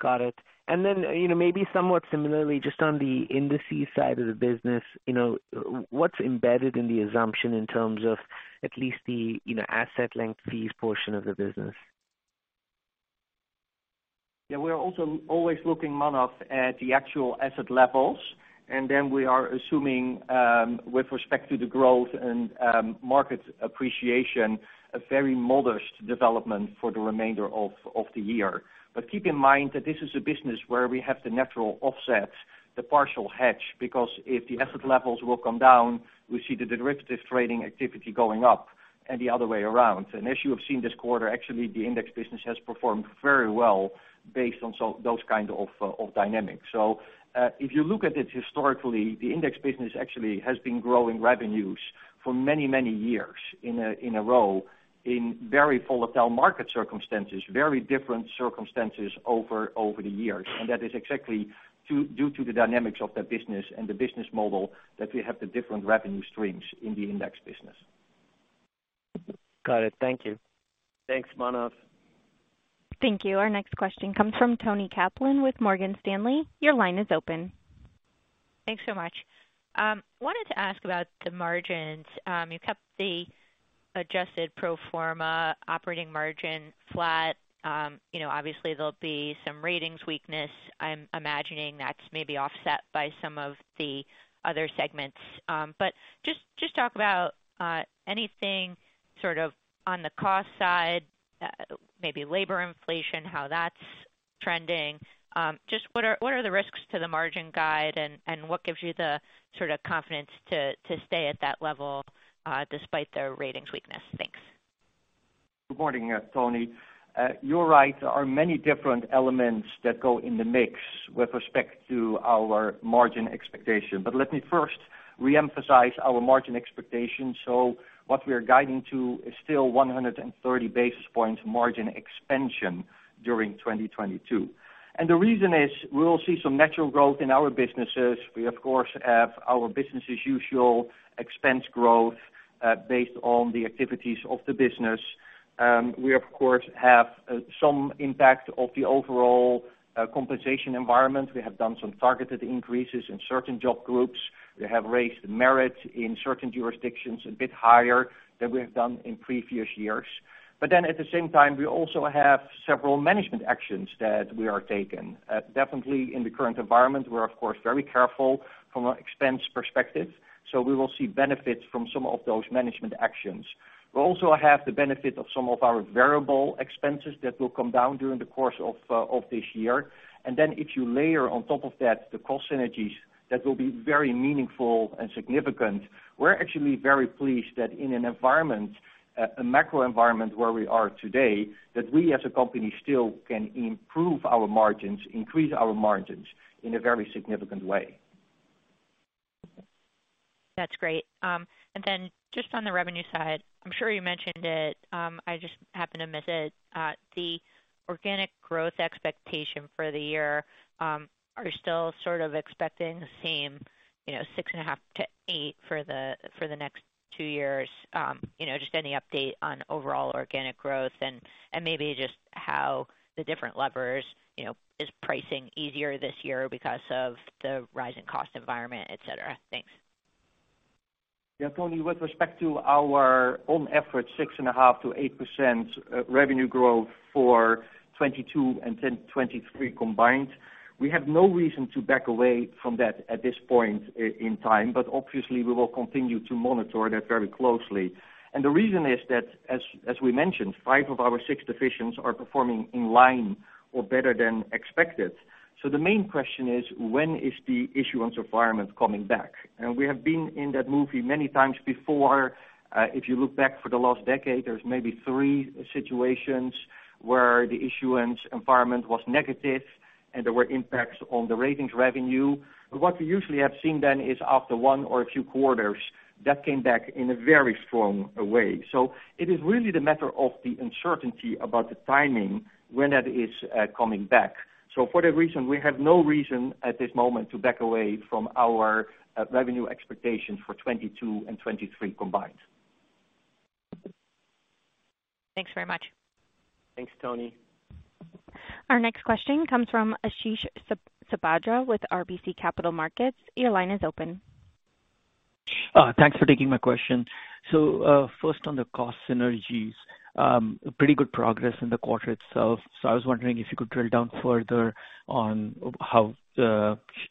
Got it. You know, maybe somewhat similarly, just on the indices side of the business, you know, what's embedded in the assumption in terms of at least the, you know, asset-linked fees portion of the business? Yeah. We are also always looking, Manav, at the actual asset levels, and then we are assuming with respect to the growth and market appreciation, a very modest development for the remainder of the year. Keep in mind that this is a business where we have the natural offset, the partial hedge, because if the asset levels will come down, we see the derivative trading activity going up and the other way around. As you have seen this quarter, actually, the index business has performed very well based on those kind of dynamics. If you look at it historically, the index business actually has been growing revenues for many, many years in a row in very volatile market circumstances, very different circumstances over the years. That is exactly due to the dynamics of that business and the business model that we have the different revenue streams in the Index business. Got it. Thank you. Thanks, Manav. Thank you. Our next question comes from Toni Kaplan with Morgan Stanley. Your line is open. Thanks so much. Wanted to ask about the margins. You kept the adjusted pro forma operating margin flat. You know, obviously there'll be some Ratings weakness. I'm imagining that's maybe offset by some of the other segments. Just talk about anything sort of on the cost side, maybe labor inflation, how that's trending. Just what are the risks to the margin guide and what gives you the sort of confidence to stay at that level despite the Ratings weakness? Thanks. Good morning, Toni. You're right. There are many different elements that go in the mix with respect to our margin expectation. Let me first reemphasize our margin expectation. What we are guiding to is still 130 basis points margin expansion during 2022. The reason is we will see some natural growth in our businesses. We of course have our business as usual expense growth, based on the activities of the business. We of course have some impact of the overall compensation environment. We have done some targeted increases in certain job groups. We have raised merit in certain jurisdictions a bit higher than we have done in previous years. At the same time, we also have several management actions that we are taking. Definitely in the current environment, we're of course very careful from an expense perspective, so we will see benefits from some of those management actions. We also have the benefit of some of our variable expenses that will come down during the course of this year. Then if you layer on top of that the cost synergies that will be very meaningful and significant, we're actually very pleased that in an environment, a macro environment where we are today, that we as a company still can improve our margins, increase our margins in a very significant way. That's great. Just on the revenue side, I'm sure you mentioned it, I just happened to miss it. The organic growth expectation for the year, are you still sort of expecting the same, you know, 6.5%-8% for the next two years? You know, just any update on overall organic growth and maybe just how the different levers, you know, is pricing easier this year because of the rising cost environment, et cetera. Thanks. Yeah, Toni, with respect to our own efforts, 6.5%-8% revenue growth for 2022 and then 2023 combined, we have no reason to back away from that at this point in time, but obviously we will continue to monitor that very closely. The reason is that as we mentioned, five of our six divisions are performing in line or better than expected. The main question is when is the issuance environment coming back? We have been in that movie many times before. If you look back for the last decade, there's maybe three situations where the issuance environment was negative, and there were impacts on the Ratings revenue. What we usually have seen then is after one or a few quarters, that came back in a very strong way. It is really the matter of the uncertainty about the timing when that is coming back. For that reason, we have no reason at this moment to back away from our revenue expectations for 2022 and 2023 combined. Thanks very much. Thanks, Toni. Our next question comes from Ashish Sabadra with RBC Capital Markets. Your line is open. Thanks for taking my question. First on the cost synergies, pretty good progress in the quarter itself. I was wondering if you could drill down further on how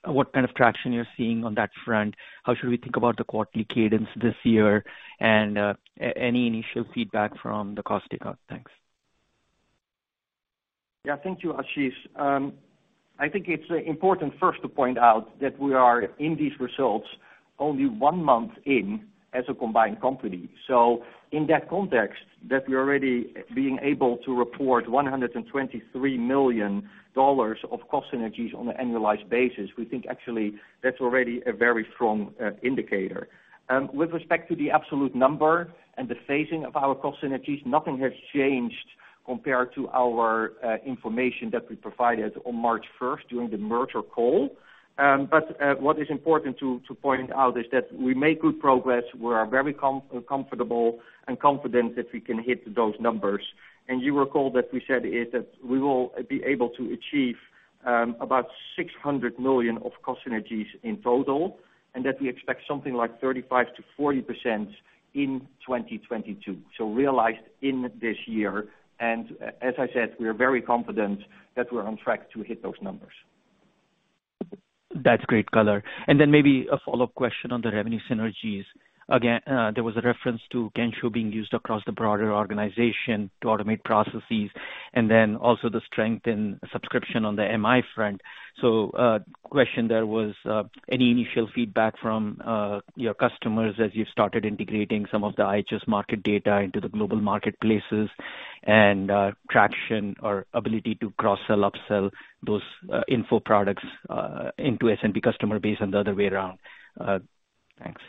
what kind of traction you're seeing on that front. How should we think about the quarterly cadence this year? Any initial feedback from the cost takeout? Thanks. Yeah, thank you, Ashish. I think it's important first to point out that we are, in these results, only one month in as a combined company. In that context, that we're already being able to report $123 million of cost synergies on an annualized basis, we think actually that's already a very strong indicator. With respect to the absolute number and the phasing of our cost synergies, nothing has changed compared to our information that we provided on March 1st during the merger call. What is important to point out is that we made good progress. We are very comfortable and confident that we can hit those numbers. You recall that we said that we will be able to achieve about $600 million of cost synergies in total, and that we expect something like 35%-40% in 2022, so realized in this year. As I said, we are very confident that we're on track to hit those numbers. That's great color. Then maybe a follow-up question on the revenue synergies. Again, there was a reference to Kensho being used across the broader organization to automate processes and then also the strength in subscription on the MI front. Question there was any initial feedback from your customers as you started integrating some of the IHS Markit data into the global marketplaces and traction or ability to cross-sell, up-sell those info products into SMB customer base and the other way around. Thanks.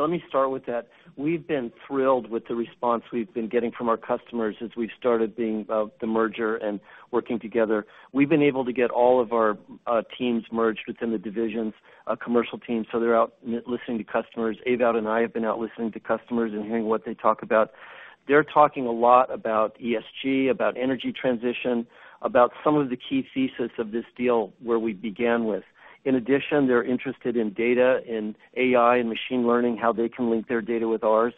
Let me start with that. We've been thrilled with the response we've been getting from our customers since the merger and working together. We've been able to get all of our teams merged within the divisions, commercial teams, so they're out listening to customers. Ewout and I have been out listening to customers and hearing what they talk about. They're talking a lot about ESG, about energy transition, about some of the key thesis of this deal where we began with. In addition, they're interested in data, in AI and machine learning, how they can link their data with ours.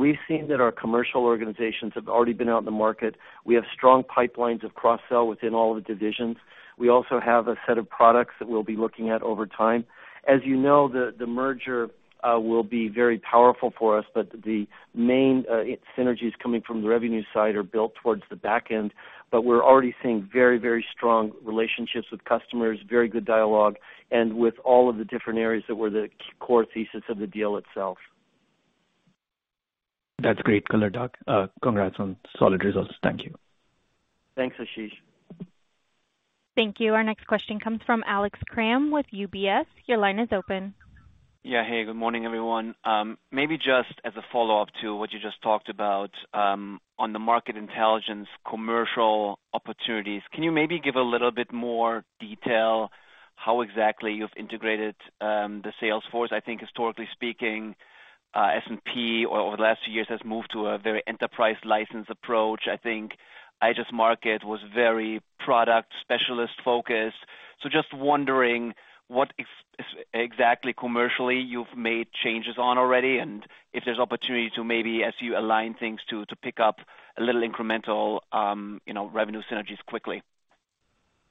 We've seen that our commercial organizations have already been out in the market. We have strong pipelines of cross-sell within all the divisions. We also have a set of products that we'll be looking at over time. As you know, the merger will be very powerful for us, but the main synergies coming from the revenue side are built towards the back end. We're already seeing very, very strong relationships with customers, very good dialogue, and with all of the different areas that were the core thesis of the deal itself. That's great color, Doug. Congrats on solid results. Thank you. Thanks, Ashish. Thank you. Our next question comes from Alex Kramm with UBS. Your line is open. Yeah. Hey, good morning, everyone. Maybe just as a follow-up to what you just talked about, on the Market Intelligence commercial opportunities, can you maybe give a little bit more detail how exactly you've integrated the sales force? I think historically speaking, S&P over the last few years has moved to a very enterprise license approach. I think IHS Markit was very product specialist-focused. Just wondering what exactly commercially you've made changes on already, and if there's opportunity to maybe as you align things to pick up a little incremental, you know, revenue synergies quickly.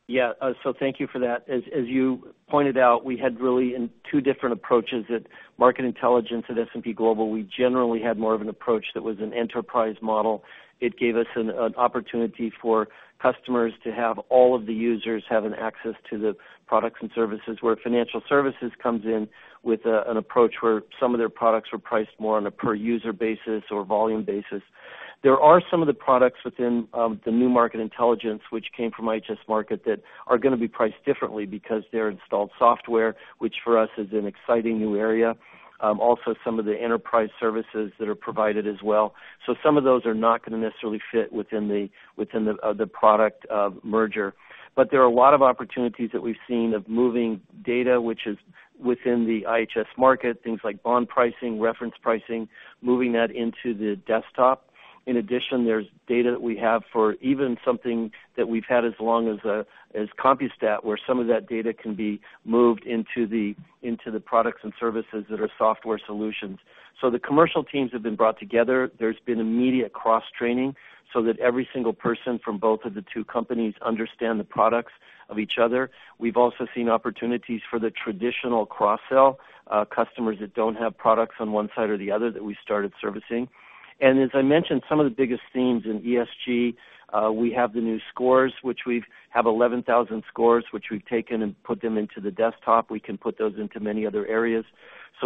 Yeah. Thank you for that. As you pointed out, we really had two different approaches. At Market Intelligence at S&P Global, we generally had more of an approach that was an enterprise model. It gave us an opportunity for customers to have all of the users have an access to the products and services where financial services comes in with an approach where some of their products were priced more on a per user basis or volume basis. There are some of the products within the new Market Intelligence which came from IHS Markit that are gonna be priced differently because they're installed software, which for us is an exciting new area. Also some of the enterprise services that are provided as well. Some of those are not gonna necessarily fit within the product merger. There are a lot of opportunities that we've seen of moving data, which is within the IHS Markit, things like bond pricing, reference pricing, moving that into the desktop. In addition, there's data that we have for even something that we've had as long as as Compustat, where some of that data can be moved into the products and services that are software solutions. So the commercial teams have been brought together. There's been immediate cross-training so that every single person from both of the two companies understand the products of each other. We've also seen opportunities for the traditional cross-sell, customers that don't have products on one side or the other that we started servicing. As I mentioned, some of the biggest themes in ESG, we have the new scores, which we have 11,000 scores, which we've taken and put them into the desktop. We can put those into many other areas.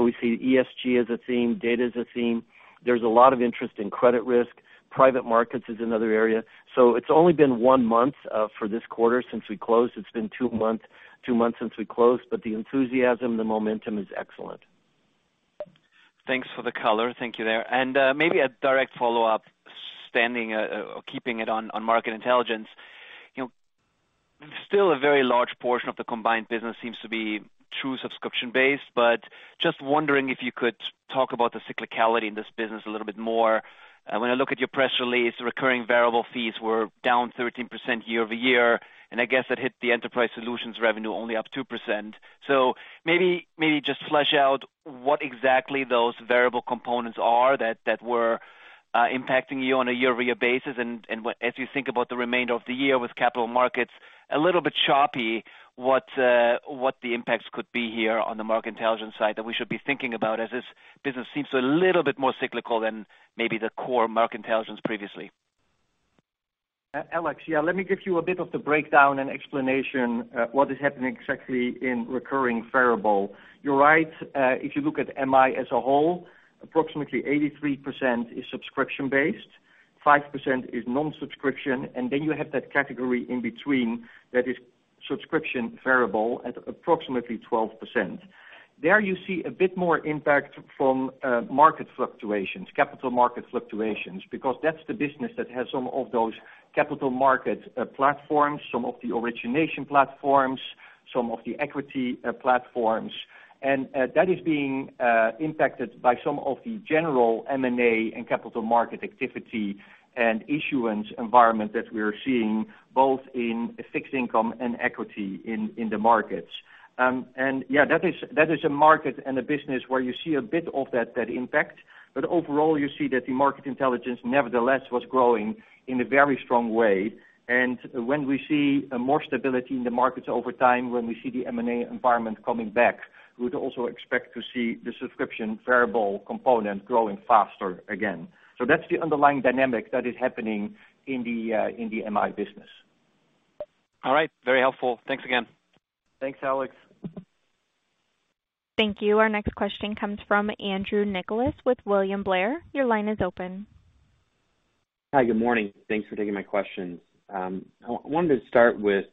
We see ESG as a theme, data as a theme. There's a lot of interest in credit risk. Private markets is another area. It's only been one month for this quarter since we closed. It's been two months since we closed, but the enthusiasm, the momentum is excellent. Thanks for the color. Thank you there. Maybe a direct follow-up, standing or keeping it on Market Intelligence. You know, still a very large portion of the combined business seems to be true subscription-based, but just wondering if you could talk about the cyclicality in this business a little bit more. When I look at your press release, recurring variable fees were down 13% year-over-year, and I guess that hit the enterprise solutions revenue only up 2%. Maybe just flesh out what exactly those variable components are that were impacting you on a year-over-year basis and what, as you think about the remainder of the year with capital markets a little bit choppy, what the impacts could be here on the Market Intelligence side that we should be thinking about as this business seems a little bit more cyclical than maybe the core Market Intelligence previously. Alex, yeah, let me give you a bit of the breakdown and explanation, what is happening exactly in recurring variable. You're right. If you look at MI as a whole, approximately 83% is subscription-based, 5% is non-subscription, and then you have that category in between that is subscription variable at approximately 12%. There you see a bit more impact from market fluctuations, capital market fluctuations, because that's the business that has some of those capital market platforms, some of the origination platforms, some of the equity platforms. That is being impacted by some of the general M&A and capital market activity and issuance environment that we're seeing, both in fixed income and equity in the markets. Yeah, that is a market and a business where you see a bit of that impact. Overall, you see that the Market Intelligence nevertheless was growing in a very strong way. When we see more stability in the markets over time, when we see the M&A environment coming back, we would also expect to see the subscription variable component growing faster again. That's the underlying dynamic that is happening in the MI business. All right. Very helpful. Thanks again. Thanks, Alex. Thank you. Our next question comes from Andrew Nicholas with William Blair. Your line is open. Hi, good morning. Thanks for taking my questions. I wanted to start with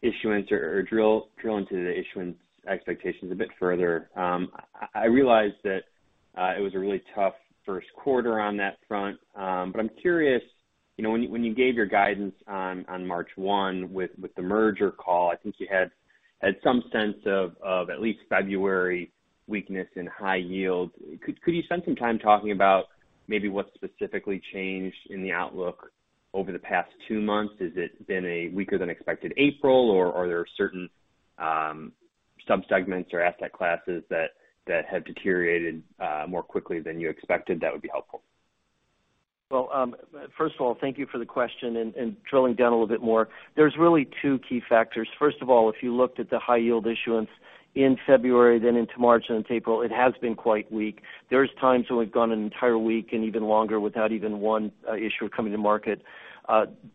issuance or drill into the issuance expectations a bit further. I realize that it was a really tough first quarter on that front. I'm curious. You know, when you gave your guidance on March 1 with the merger call, I think you had some sense of at least February weakness in high-yield. Could you spend some time talking about maybe what specifically changed in the outlook over the past two months? Is it been a weaker than expected April, or are there certain subsegments or asset classes that have deteriorated more quickly than you expected? That would be helpful. Well, first of all, thank you for the question. Drilling down a little bit more, there's really two key factors. First of all, if you looked at the high-yield issuance in February then into March and April, it has been quite weak. There's times when we've gone an entire week and even longer without even one issuer coming to market.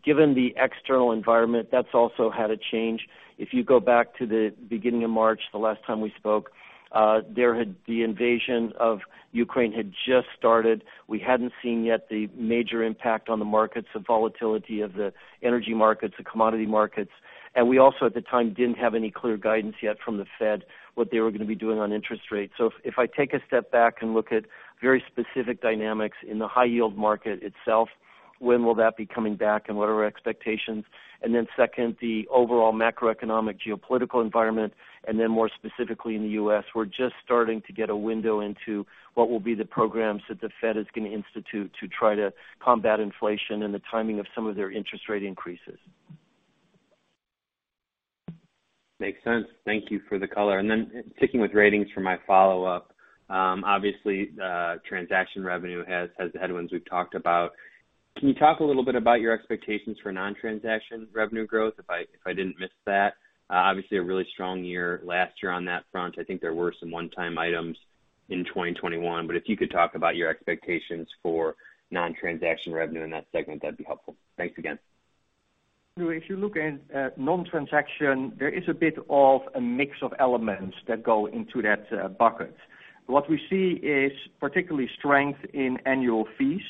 Given the external environment, that's also had a change. If you go back to the beginning of March, the last time we spoke, the invasion of Ukraine had just started. We hadn't seen yet the major impact on the markets, the volatility of the energy markets, the commodity markets. We also at the time didn't have any clear guidance yet from the Fed, what they were gonna be doing on interest rates. If I take a step back and look at very specific dynamics in the high-yield market itself, when will that be coming back and what are our expectations? Then second, the overall macroeconomic geopolitical environment, and then more specifically in the U.S., we're just starting to get a window into what will be the programs that the Fed is gonna institute to try to combat inflation and the timing of some of their interest rate increases. Makes sense. Thank you for the color. Sticking with Ratings for my follow-up. Obviously, transaction revenue has the headwinds we've talked about. Can you talk a little bit about your expectations for non-transaction revenue growth, if I didn't miss that? Obviously a really strong year last year on that front. I think there were some one-time items in 2021, but if you could talk about your expectations for non-transaction revenue in that segment, that'd be helpful. Thanks again. If you look at non-transaction, there is a bit of a mix of elements that go into that bucket. What we see is particular strength in annual fees.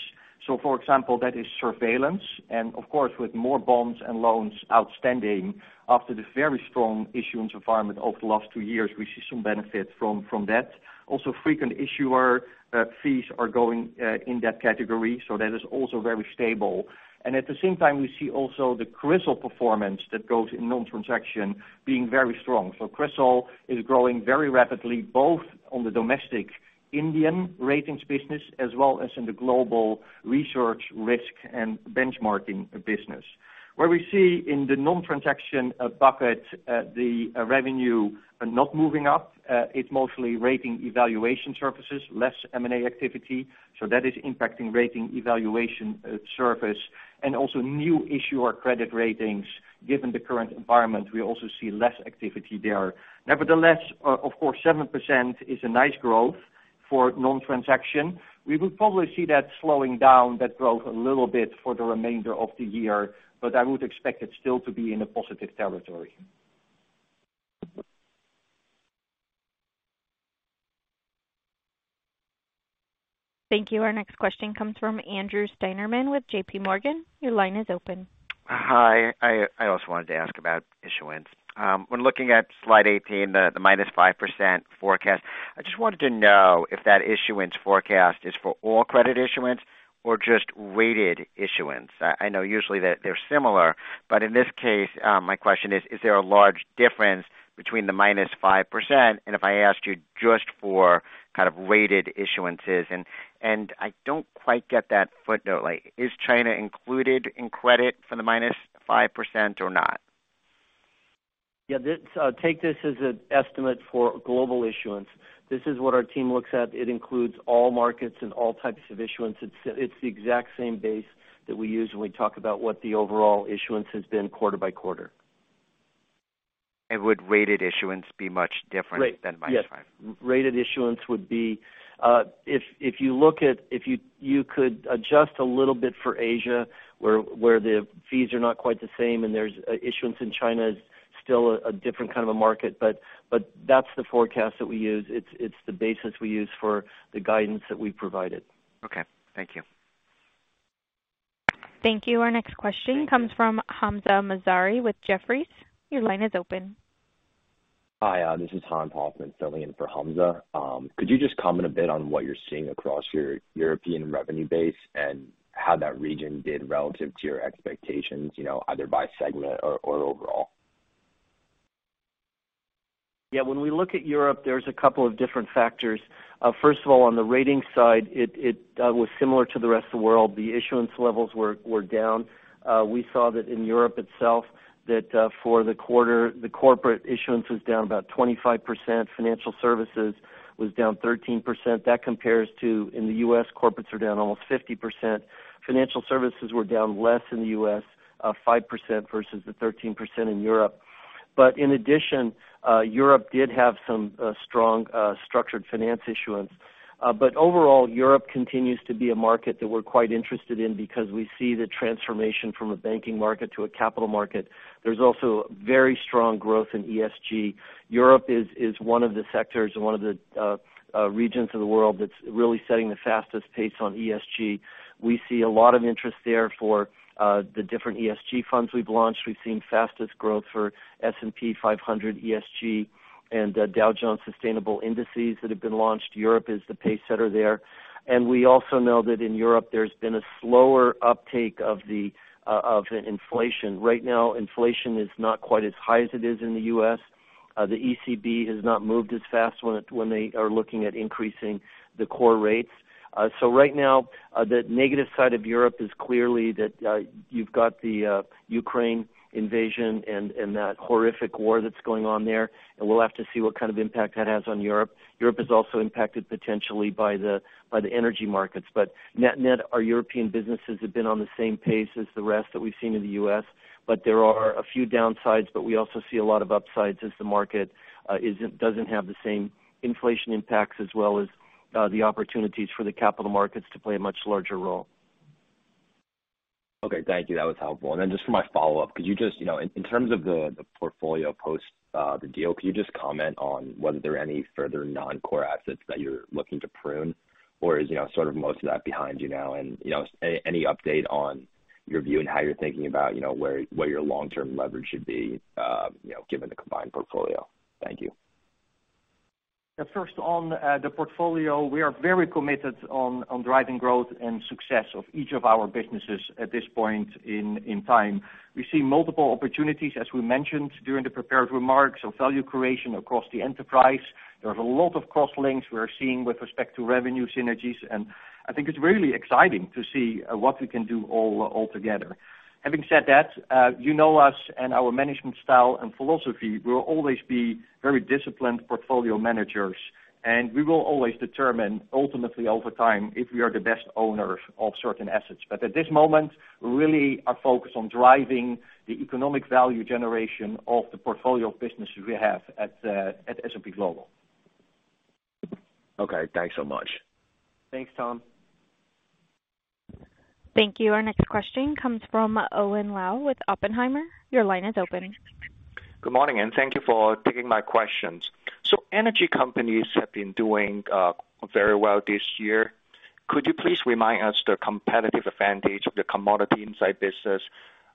For example, that is surveillance. Of course, with more bonds and loans outstanding after the very strong issuance environment over the last two years, we see some benefit from that. Also, frequent issuer fees are going in that category, so that is also very stable. At the same time, we see also the CRISIL performance that goes in non-transaction being very strong. CRISIL is growing very rapidly, both on the domestic Indian Ratings business as well as in the global research risk and benchmarking business. Where we see in the non-transaction bucket, the revenue not moving up, it's mostly rating evaluation services, less M&A activity. That is impacting rating evaluation service and also new issuer Credit Ratings. Given the current environment, we also see less activity there. Nevertheless, of course, 7% is a nice growth for non-transaction. We will probably see that growth slowing down a little bit for the remainder of the year, but I would expect it still to be in a positive territory. Thank you. Our next question comes from Andrew Steinerman with JPMorgan. Your line is open. Hi. I also wanted to ask about issuance. When looking at slide 18, the -5% forecast, I just wanted to know if that issuance forecast is for all credit issuance or just rated issuance. I know usually that they're similar, but in this case, my question is: Is there a large difference between the -5% and if I asked you just for kind of rated issuances? I don't quite get that footnote, like is China included in credit for the -5% or not? Take this as an estimate for global issuance. This is what our team looks at. It includes all markets and all types of issuance. It's the exact same base that we use when we talk about what the overall issuance has been quarter by quarter. Would rated issuance be much different? Right. Than -5? Yes. Rated issuance would be if you could adjust a little bit for Asia, where the fees are not quite the same, and there's issuance in China is still a different kind of a market, but that's the forecast that we use. It's the basis we use for the guidance that we provided. Okay. Thank you. Thank you. Our next question comes from Hamzah Mazari with Jefferies. Your line is open. Hi. This is Hans Hoffman filling in for Hamzah. Could you just comment a bit on what you're seeing across your European revenue base and how that region did relative to your expectations, you know, either by segment or overall? Yeah. When we look at Europe, there's a couple of different factors. First of all, on the ratings side, it was similar to the rest of the world. The issuance levels were down. We saw that in Europe itself that for the quarter, the corporate issuance was down about 25%. Financial services was down 13%. That compares to, in the U.S., corporates are down almost 50%. Financial services were down less in the U.S., five percent versus the 13% in Europe. But in addition, Europe did have some strong structured finance issuance. But overall, Europe continues to be a market that we're quite interested in because we see the transformation from a banking market to a capital market. There's also very strong growth in ESG. Europe is one of the sectors and one of the regions of the world that's really setting the fastest pace on ESG. We see a lot of interest there for the different ESG funds we've launched. We've seen fastest growth for S&P 500 ESG and Dow Jones Sustainability Indices that have been launched. Europe is the pacesetter there. We also know that in Europe there's been a slower uptake of inflation. Right now, inflation is not quite as high as it is in the U.S. The ECB has not moved as fast when they are looking at increasing the core rates. Right now, the negative side of Europe is clearly that you've got the Ukraine invasion and that horrific war that's going on there, and we'll have to see what kind of impact that has on Europe. Europe is also impacted potentially by the energy markets. Net-net, our European businesses have been on the same pace as the rest that we've seen in the U.S., but there are a few downsides, but we also see a lot of upsides as the market doesn't have the same inflation impacts, as well as the opportunities for the capital markets to play a much larger role. Okay. Thank you. That was helpful. Just for my follow-up, could you just, you know, in terms of the portfolio post the deal, could you just comment on was there any further non-core assets that you're looking to prune or is, you know, sort of most of that behind you now? You know, any update on your view and how you're thinking about, you know, where your long-term leverage should be, you know, given the combined portfolio? Thank you. First, on the portfolio, we are very committed on driving growth and success of each of our businesses at this point in time. We see multiple opportunities, as we mentioned during the prepared remarks, of value creation across the enterprise. There's a lot of crosslinks we are seeing with respect to revenue synergies, and I think it's really exciting to see what we can do all together. Having said that, you know us and our management style and philosophy. We'll always be very disciplined portfolio managers, and we will always determine ultimately over time if we are the best owners of certain assets. At this moment, really are focused on driving the economic value generation of the portfolio of businesses we have at S&P Global. Okay, thanks so much. Thanks, Hans. Thank you. Our next question comes from Owen Lau with Oppenheimer. Your line is open. Good morning, and thank you for taking my questions. Energy companies have been doing very well this year. Could you please remind us the competitive advantage of the Commodity Insights business,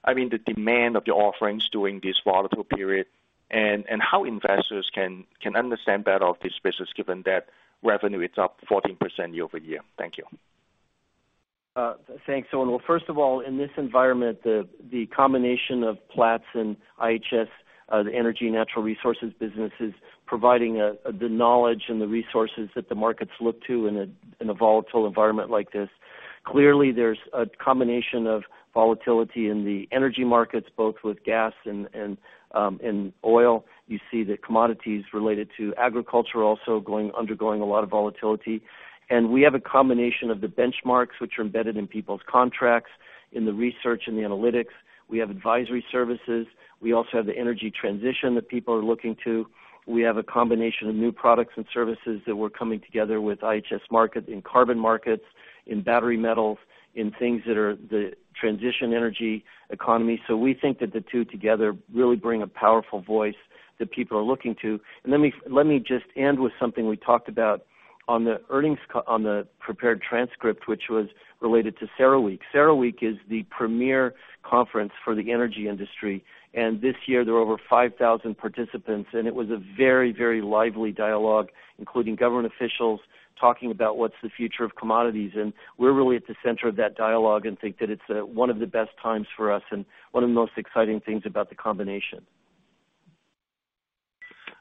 I mean, the demand of your offerings during this volatile period, and how investors can understand better of this business given that revenue is up 14% year-over-year? Thank you. Thanks, Owen. Well, first of all, in this environment, the combination of Platts and IHS, the energy and natural resources business is providing the knowledge and the resources that the markets look to in a volatile environment like this. Clearly, there's a combination of volatility in the energy markets, both with gas and oil. You see the commodities related to agriculture also undergoing a lot of volatility. We have a combination of the benchmarks which are embedded in people's contracts, in the research and the analytics. We have advisory services. We also have the energy transition that people are looking to. We have a combination of new products and services that we're coming together with IHS Markit in carbon markets, in battery metals, in things that are the transition energy economy. We think that the two together really bring a powerful voice that people are looking to. Let me just end with something we talked about on the prepared transcript, which was related to CERAWeek. CERAWeek is the premier conference for the energy industry, and this year there are over 5,000 participants, and it was a very, very lively dialogue, including government officials talking about what's the future of commodities. We're really at the center of that dialogue and think that it's one of the best times for us and one of the most exciting things about the combination.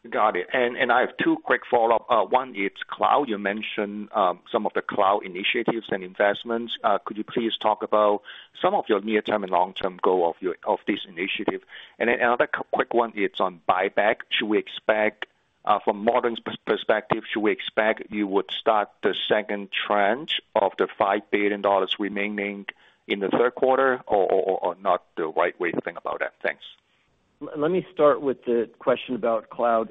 Got it. I have two quick follow-ups. One, it's cloud. You mentioned some of the cloud initiatives and investments. Could you please talk about some of your near-term and long-term goal of this initiative? Another quick one, it's on buyback. Should we expect from modern perspective you would start the second tranche of the $5 billion remaining in the third quarter or not the right way to think about that? Thanks. Let me start with the question about cloud.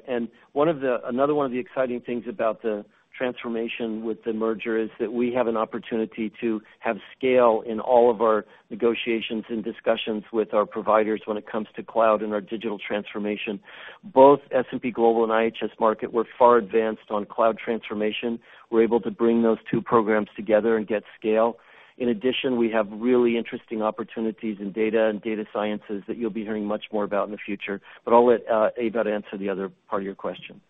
One of the exciting things about the transformation with the merger is that we have an opportunity to have scale in all of our negotiations and discussions with our providers when it comes to cloud and our digital transformation. Both S&P Global and IHS Markit were far advanced on cloud transformation. We're able to bring those two programs together and get scale. In addition, we have really interesting opportunities in data and data sciences that you'll be hearing much more about in the future. I'll let Ewout answer the other part of your question.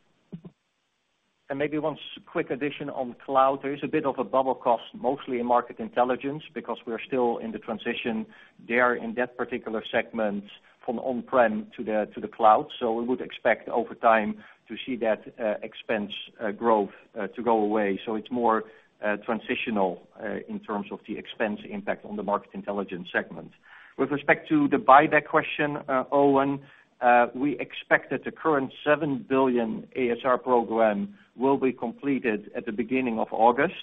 Maybe one quick addition on cloud. There is a bit of a bulge cost, mostly in Market Intelligence, because we're still in the transition there in that particular segment from on-prem to the cloud. We would expect over time to see that expense growth to go away. It's more transitional in terms of the expense impact on the Market Intelligence segment. With respect to the buyback question, Owen, we expect that the current $7 billion ASR program will be completed at the beginning of August,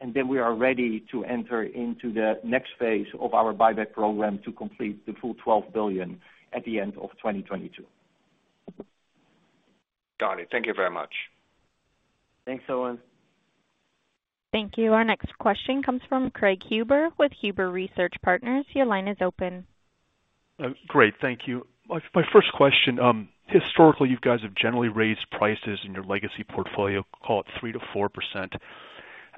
and then we are ready to enter into the next phase of our buyback program to complete the full $12 billion at the end of 2022. Got it. Thank you very much. Thanks, Owen. Thank you. Our next question comes from Craig Huber with Huber Research Partners. Your line is open. Great. Thank you. My first question, historically, you guys have generally raised prices in your legacy portfolio, call it 3%-4%.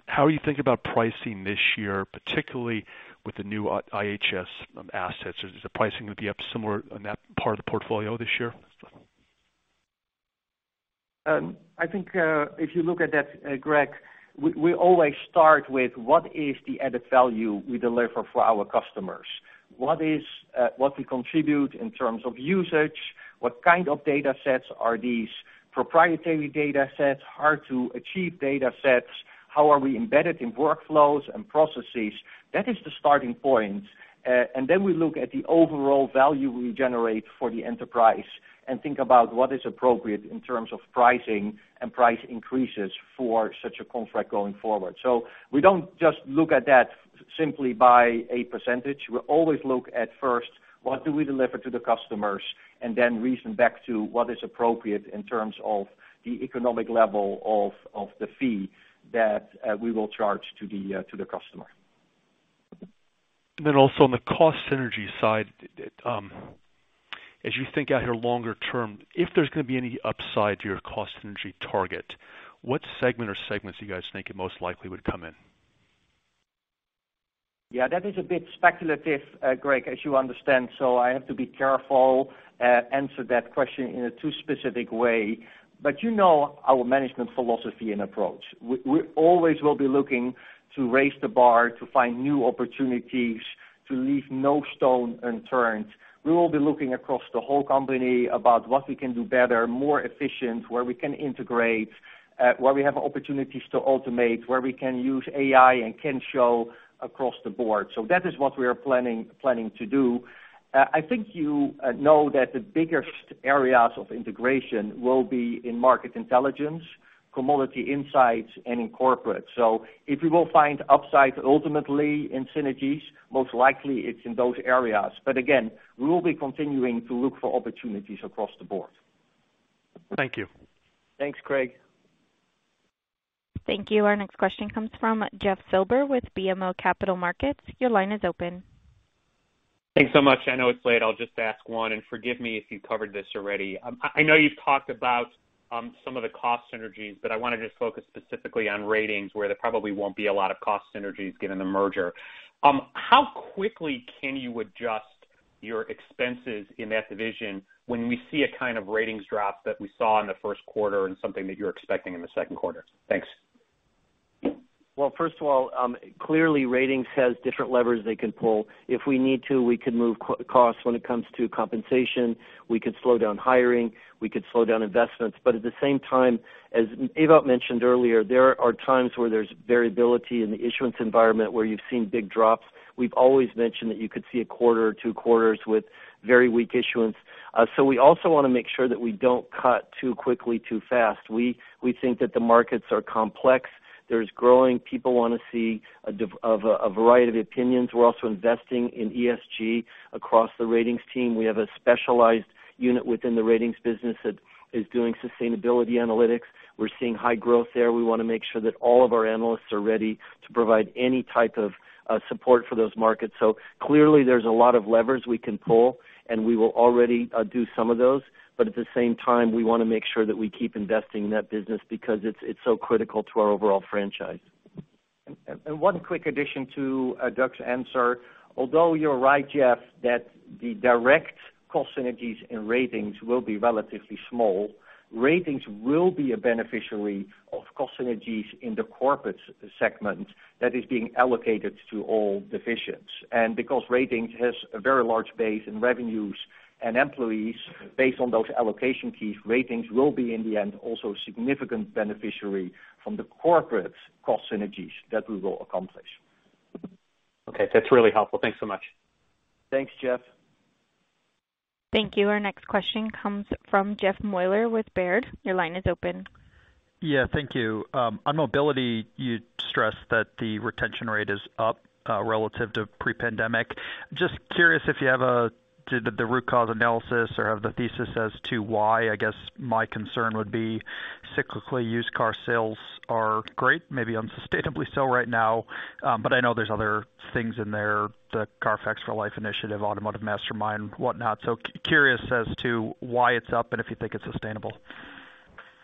How are you thinking about pricing this year, particularly with the new IHS assets? Is the pricing gonna be up similar on that part of the portfolio this year? I think, if you look at that, Craig, we always start with what is the added value we deliver for our customers? What is what we contribute in terms of usage? What kind of datasets are these? Proprietary datasets? Hard to achieve datasets? How are we embedded in workflows and processes? That is the starting point. And then we look at the overall value we generate for the enterprise and think about what is appropriate in terms of pricing and price increases for such a contract going forward. We don't just look at that simply by a percentage. We always look at first, what do we deliver to the customers, and then reason back to what is appropriate in terms of the economic level of the fee that we will charge to the customer. On the cost synergy side, as you think out here longer term, if there's gonna be any upside to your cost synergy target, what segment or segments do you guys think it most likely would come in? Yeah, that is a bit speculative, Craig, as you understand, so I have to be careful answer that question in a too specific way. You know our management philosophy and approach. We always will be looking to raise the bar to find new opportunities, to leave no stone unturned. We will be looking across the whole company about what we can do better, more efficient, where we can integrate, where we have opportunities to automate, where we can use AI and Kensho across the board. That is what we are planning to do. I think you know that the biggest areas of integration will be in Market Intelligence, Commodity Insights, and in Corporate. If we will find upside ultimately in synergies, most likely it's in those areas. Again, we will be continuing to look for opportunities across the board. Thank you. Thanks, Craig. Thank you. Our next question comes from Jeffrey Silber with BMO Capital Markets. Your line is open. Thanks so much. I know it's late. I'll just ask one, and forgive me if you covered this already. I know you've talked about some of the cost synergies, but I wanna just focus specifically on Ratings where there probably won't be a lot of cost synergies given the merger. How quickly can you adjust your expenses in that division when we see a kind of Ratings drop that we saw in the first quarter and something that you're expecting in the second quarter? Thanks. Well, first of all, clearly Ratings has different levers they can pull. If we need to, we can move costs when it comes to compensation. We could slow down hiring, we could slow down investments. But at the same time, as Ewout mentioned earlier, there are times where there's variability in the issuance environment where you've seen big drops. We've always mentioned that you could see a quarter or two quarters with very weak issuance. So we also wanna make sure that we don't cut too quickly, too fast. We think that the markets are complex. There's growing. People wanna see a diversity of opinions. We're also investing in ESG across the Ratings team. We have a specialized unit within the Ratings business that is doing sustainability analytics. We're seeing high growth there. We wanna make sure that all of our analysts are ready to provide any type of support for those markets. Clearly there's a lot of levers we can pull, and we will already do some of those. At the same time, we wanna make sure that we keep investing in that business because it's so critical to our overall franchise. One quick addition to Doug's answer. Although you're right, Jeff, that the direct cost synergies and Ratings will be relatively small, Ratings will be a beneficiary of cost synergies in the corporate segment that is being allocated to all divisions. Because Ratings has a very large base in revenues and employees based on those allocation fees, Ratings will be, in the end, also a significant beneficiary from the corporate cost synergies that we will accomplish. Okay, that's really helpful. Thanks so much. Thanks, Jeff. Thank you. Our next question comes from Jeff Meuler with Baird. Your line is open. Yeah, thank you. On mobility, you stressed that the retention rate is up relative to pre-pandemic. Just curious if you did a root cause analysis or have the thesis as to why. I guess my concern would be cyclical used car sales are great, maybe unsustainably so right now, but I know there's other things in there, the CARFAX for Life initiative, automotiveMastermind, whatnot. Curious as to why it's up and if you think it's sustainable.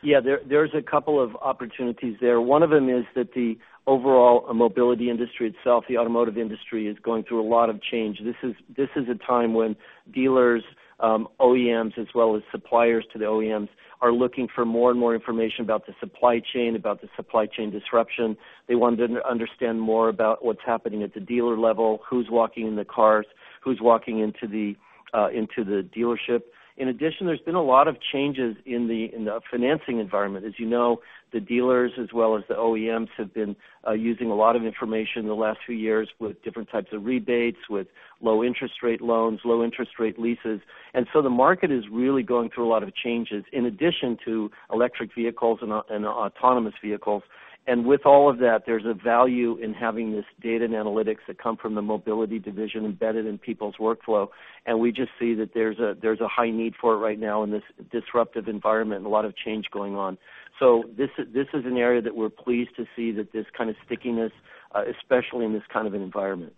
Yeah. There's a couple of opportunities there. One of them is that the overall mobility industry itself, the automotive industry, is going through a lot of change. This is a time when dealers, OEMs, as well as suppliers to the OEMs, are looking for more and more information about the supply chain, about the supply chain disruption. They want to understand more about what's happening at the dealer level, who's walking in the cars, who's walking into the dealership. In addition, there's been a lot of changes in the financing environment. As you know, the dealers as well as the OEMs have been using a lot of information in the last few years with different types of rebates, with low interest rate loans, low interest rate leases. The market is really going through a lot of changes in addition to electric vehicles and autonomous vehicles. With all of that, there's a value in having this data and analytics that come from the mobility division embedded in people's workflow. We just see that there's a high need for it right now in this disruptive environment and a lot of change going on. This is an area that we're pleased to see that there's kind of stickiness, especially in this kind of an environment.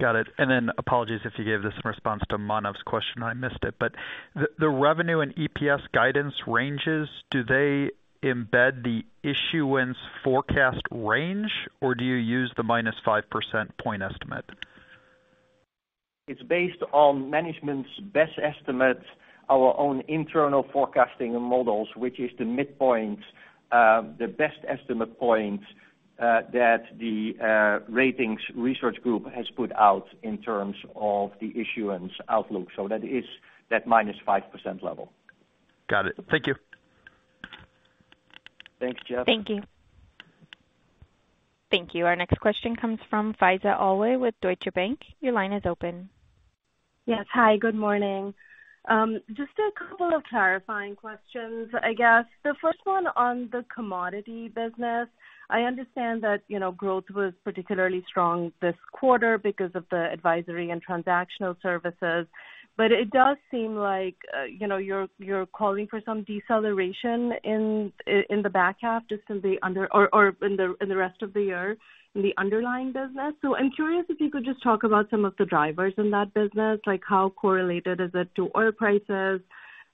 Got it. Apologies if you gave this in response to Manav's question, I missed it. The revenue and EPS guidance ranges, do they embed the issuance forecast range, or do you use the -5% point estimate? It's based on management's best estimate, our own internal forecasting models, which is the midpoint, the best estimate point, that the Ratings research group has put out in terms of the issuance outlook. That is that -5% level. Got it. Thank you. Thanks, Jeff. Thank you. Thank you. Our next question comes from Faiza Alwy with Deutsche Bank. Your line is open. Yes. Hi, good morning. Just a couple of clarifying questions. I guess the first one on the commodity business. I understand that, you know, growth was particularly strong this quarter because of the advisory and transactional services. But it does seem like, you know, you're calling for some deceleration in the back half or in the rest of the year in the underlying business. I'm curious if you could just talk about some of the drivers in that business, like how correlated is it to oil prices,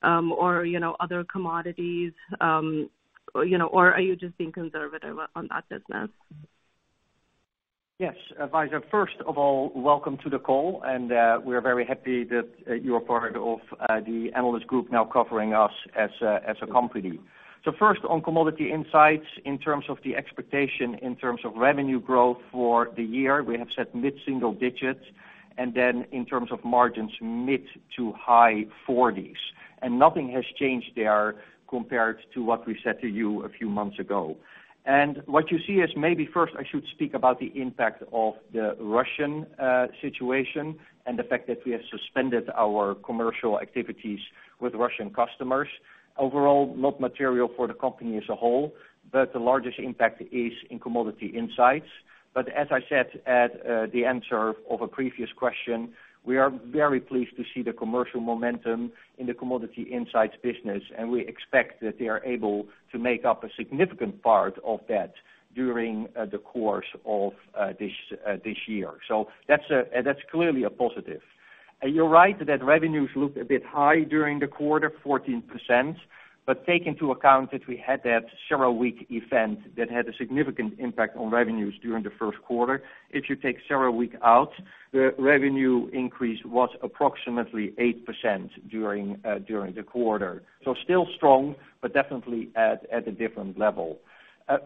or, you know, other commodities, you know, or are you just being conservative on that business? Yes. Faiza Alwy, first of all, welcome to the call, and we are very happy that you are part of the analyst group now covering us as a company. First on Commodity Insights, in terms of the expectation, in terms of revenue growth for the year, we have set mid-single digits, And then in terms of margins, mid- to high-40s. Nothing has changed there compared to what we said to you a few months ago. What you see is maybe first I should speak about the impact of the Russian situation and the fact that we have suspended our commercial activities with Russian customers. Overall, not material for the company as a whole, but the largest impact is in Commodity Insights. As I said at the answer of a previous question, we are very pleased to see the commercial momentum in the Commodity Insights business, and we expect that they are able to make up a significant part of that during the course of this year. That's clearly a positive. You're right that revenues look a bit high during the quarter, 14%, but take into account that we had that several-week event that had a significant impact on revenues during the first quarter. If you take several-week out, the revenue increase was approximately 8% during the quarter. Still strong, but definitely at a different level.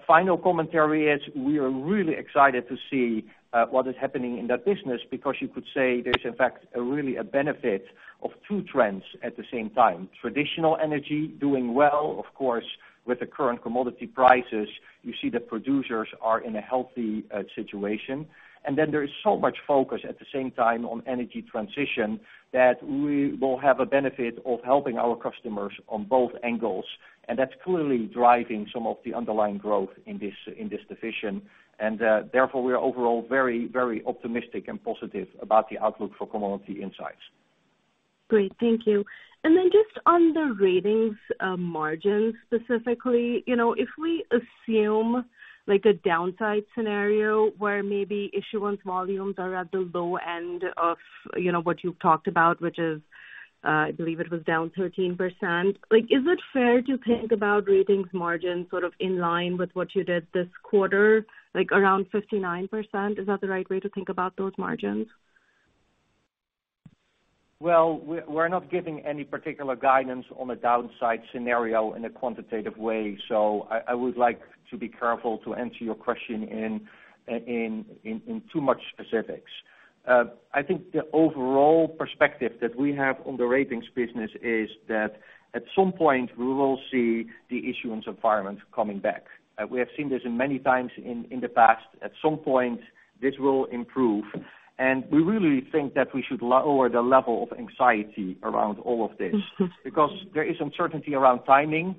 Final commentary is we are really excited to see what is happening in that business because you could say there's in fact really a benefit of two trends at the same time. Traditional energy doing well. Of course, with the current commodity prices, you see the producers are in a healthy situation. Then there is so much focus at the same time on energy transition that we will have a benefit of helping our customers on both angles. That's clearly driving some of the underlying growth in this division. Therefore we are overall very, very optimistic and positive about the outlook for Commodity Insights. Great. Thank you. Just on the Ratings margin specifically, you know, if we assume like a downside scenario where maybe issuance volumes are at the low end of, you know, what you've talked about, which is, I believe it was down 13%. Like, is it fair to think about Ratings margin sort of in line with what you did this quarter, like around 59%? Is that the right way to think about those margins? We're not giving any particular guidance on a downside scenario in a quantitative way. I would like to be careful to answer your question in too much specifics. I think the overall perspective that we have on the Ratings business is that at some point we will see the issuance environment coming back. We have seen this many times in the past. At some point, this will improve, and we really think that we should lower the level of anxiety around all of this. Because there is uncertainty around timing.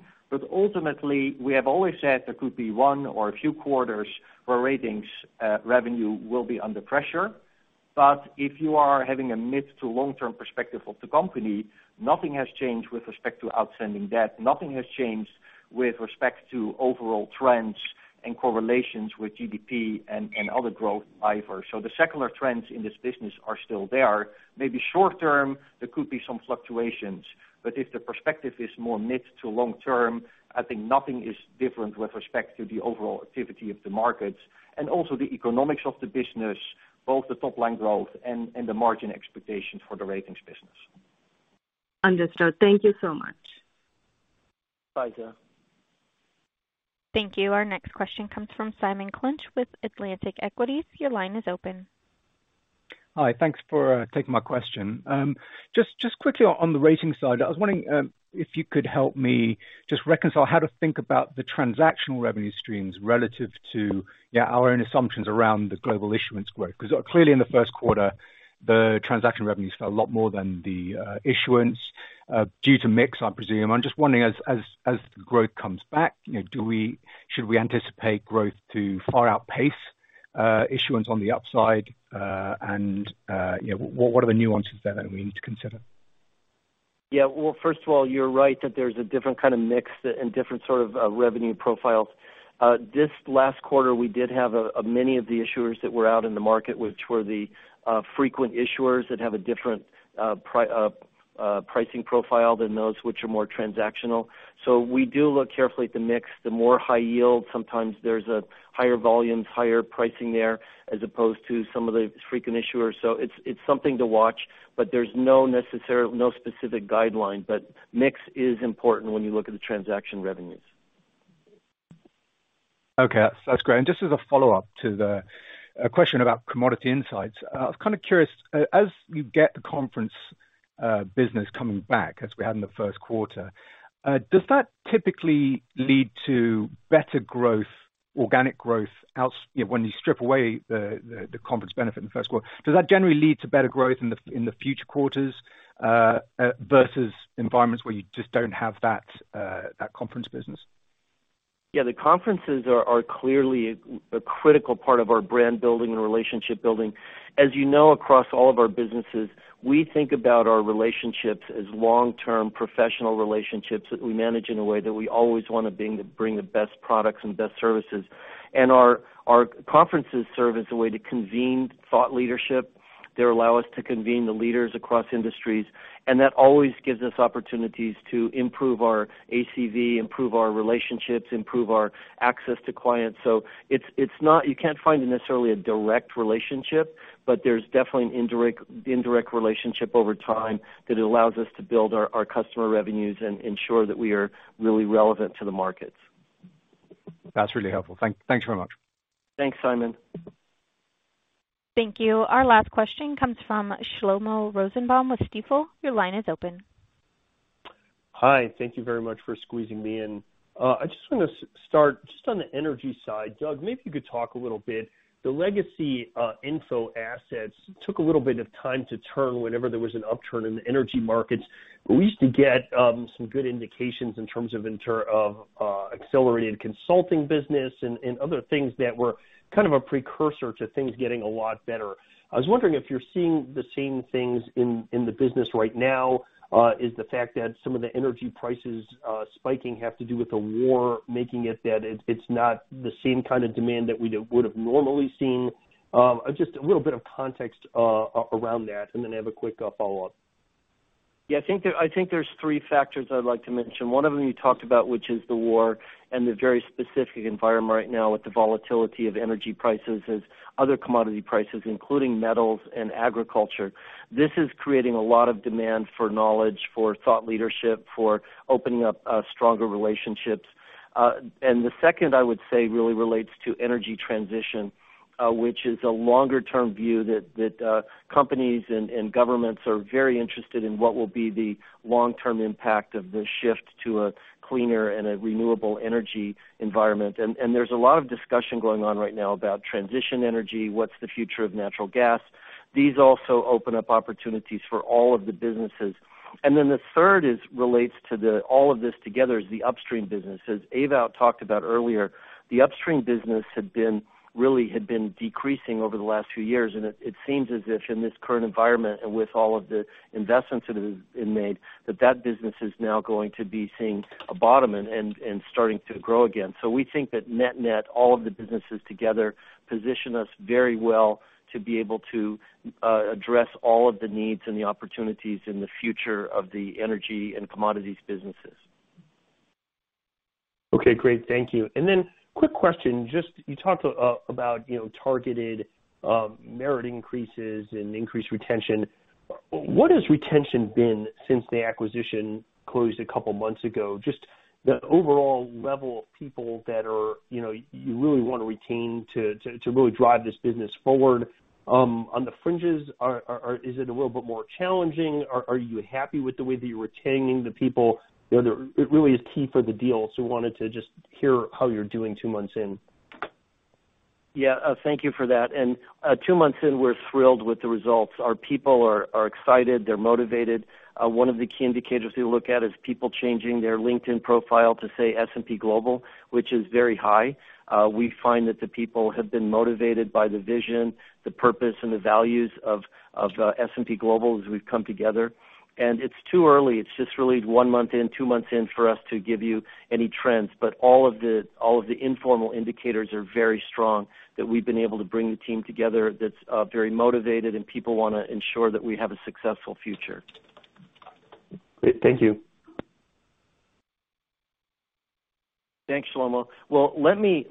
Ultimately, we have always said there could be one or a few quarters where Ratings revenue will be under pressure. If you are having a mid to long term perspective of the company, nothing has changed with respect to outstanding debt. Nothing has changed with respect to overall trends and correlations with GDP and other growth drivers. The secular trends in this business are still there. Maybe short term there could be some fluctuations, but if the perspective is more mid to long term, I think nothing is different with respect to the overall activity of the markets and also the economics of the business, both the top line growth and the margin expectations for the Ratings business. Understood. Thank you so much. Bye, Faiza. Thank you. Our next question comes from Simon Clinch with Atlantic Equities. Your line is open. Hi. Thanks for taking my question. Just quickly on the rating side, I was wondering if you could help me just reconcile how to think about the transactional revenue streams relative to our own assumptions around the global issuance growth, because clearly in the first quarter, the transaction revenues fell a lot more than the issuance due to mix, I presume. I'm just wondering as growth comes back, you know, should we anticipate growth to far outpace issuance on the upside? And you know, what are the nuances there that we need to consider? Yeah. Well, first of all, you're right that there's a different kind of mix and different sort of revenue profiles. This last quarter, we did have many of the issuers that were out in the market, which were the frequent issuers that have a different pricing profile than those which are more transactional. We do look carefully at the mix. The more high-yield, sometimes there's a higher volumes, higher pricing there, as opposed to some of the frequent issuers. It's something to watch, but there's no specific guideline. Mix is important when you look at the transaction revenues. That's great. Just as a follow-up to the question about Commodity Insights, I was kinda curious, as you get the conference business coming back as we had in the first quarter, does that typically lead to better growth, organic growth. You know, when you strip away the conference benefit in the first quarter, does that generally lead to better growth in the future quarters versus environments where you just don't have that conference business? Yeah, the conferences are clearly a critical part of our brand building and relationship building. As you know, across all of our businesses, we think about our relationships as long-term professional relationships that we manage in a way that we always wanna bring the best products and best services. Our conferences serve as a way to convene thought leadership. They allow us to convene the leaders across industries, and that always gives us opportunities to improve our ACV, improve our relationships, improve our access to clients. It's not. You can't find necessarily a direct relationship, but there's definitely an indirect relationship over time that allows us to build our customer revenues and ensure that we are really relevant to the markets. That's really helpful. Thanks very much. Thanks, Simon. Thank you. Our last question comes from Shlomo Rosenbaum with Stifel. Your line is open. Hi. Thank you very much for squeezing me in. I just wanna start just on the energy side. Doug, maybe you could talk a little bit. The legacy info assets took a little bit of time to turn whenever there was an upturn in the energy markets. We used to get some good indications in terms of accelerated consulting business and other things that were kind of a precursor to things getting a lot better. I was wondering if you're seeing the same things in the business right now. Is the fact that some of the energy prices spiking have to do with the war making it that it's not the same kind of demand that we would have normally seen? Just a little bit of context around that, and then I have a quick follow-up. Yeah, I think there's three factors I'd like to mention. One of them you talked about, which is the war and the very specific environment right now with the volatility of energy prices and other commodity prices, including metals and agriculture. This is creating a lot of demand for knowledge, for thought leadership, for opening up stronger relationships. The second I would say really relates to energy transition, which is a longer-term view that companies and governments are very interested in what will be the long-term impact of the shift to a cleaner and a renewable energy environment. There's a lot of discussion going on right now about transition energy. What's the future of natural gas? These also open up opportunities for all of the businesses. The third relates to all of this together is the upstream business. As Ewout talked about earlier, the upstream business had really been decreasing over the last few years. It seems as if in this current environment and with all of the investments that have been made, that business is now going to be seeing a bottom and starting to grow again. We think that net-net, all of the businesses together position us very well to be able to address all of the needs and the opportunities in the future of the energy and commodities businesses. Okay, great. Thank you. Quick question, just you talked about, you know, targeted merit increases and increased retention. What has retention been since the acquisition closed a couple months ago? Just the overall level of people that are, you know, you really wanna retain to really drive this business forward. On the fringes, is it a little bit more challenging? Are you happy with the way that you're retaining the people? You know, it really is key for the deal, so wanted to just hear how you're doing two months in. Yeah. Thank you for that. Two months in, we're thrilled with the results. Our people are excited. They're motivated. One of the key indicators we look at is people changing their LinkedIn profile to say S&P Global, which is very high. We find that the people have been motivated by the vision, the purpose, and the values of S&P Global as we've come together. It's too early. It's just really one month in, two months in for us to give you any trends. All of the informal indicators are very strong that we've been able to bring the team together that's very motivated and people wanna ensure that we have a successful future. Great. Thank you. Thanks, Shlomo. Well, let me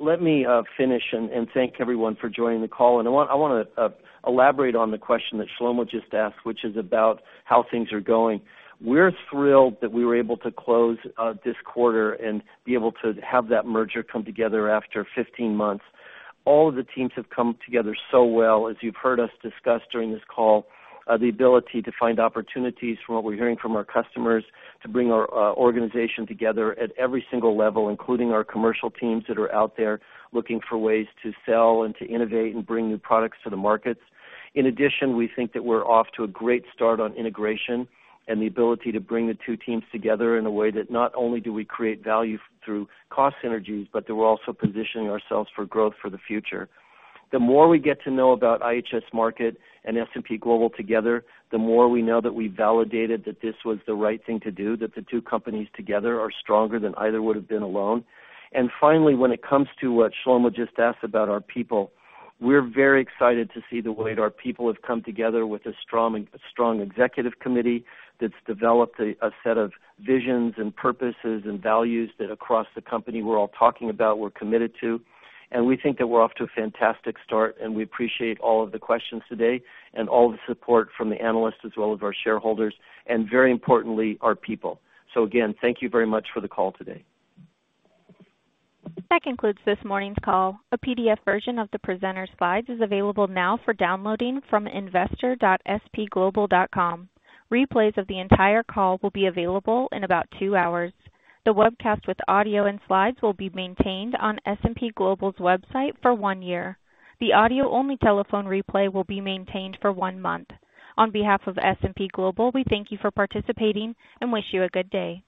finish and thank everyone for joining the call. I wanna elaborate on the question that Shlomo just asked, which is about how things are going. We're thrilled that we were able to close this quarter and be able to have that merger come together after 15 months. All of the teams have come together so well. As you've heard us discuss during this call, the ability to find opportunities from what we're hearing from our customers, to bring our organization together at every single level, including our commercial teams that are out there looking for ways to sell and to innovate and bring new products to the markets. In addition, we think that we're off to a great start on integration and the ability to bring the two teams together in a way that not only do we create value through cost synergies, but that we're also positioning ourselves for growth for the future. The more we get to know about IHS Markit and S&P Global together, the more we know that we validated that this was the right thing to do, that the two companies together are stronger than either would have been alone. Finally, when it comes to what Shlomo just asked about our people, we're very excited to see the way that our people have come together with a strong executive committee that's developed a set of visions and purposes and values that across the company we're all talking about, we're committed to. We think that we're off to a fantastic start, and we appreciate all of the questions today and all the support from the analysts as well as our shareholders, and very importantly, our people. Again, thank you very much for the call today. That concludes this morning's call. A PDF version of the presenter's slides is available now for downloading from investor.spglobal.com. Replays of the entire call will be available in about two hours. The webcast with audio and slides will be maintained on S&P Global's website for one year. The audio-only telephone replay will be maintained for one month. On behalf of S&P Global, we thank you for participating and wish you a good day.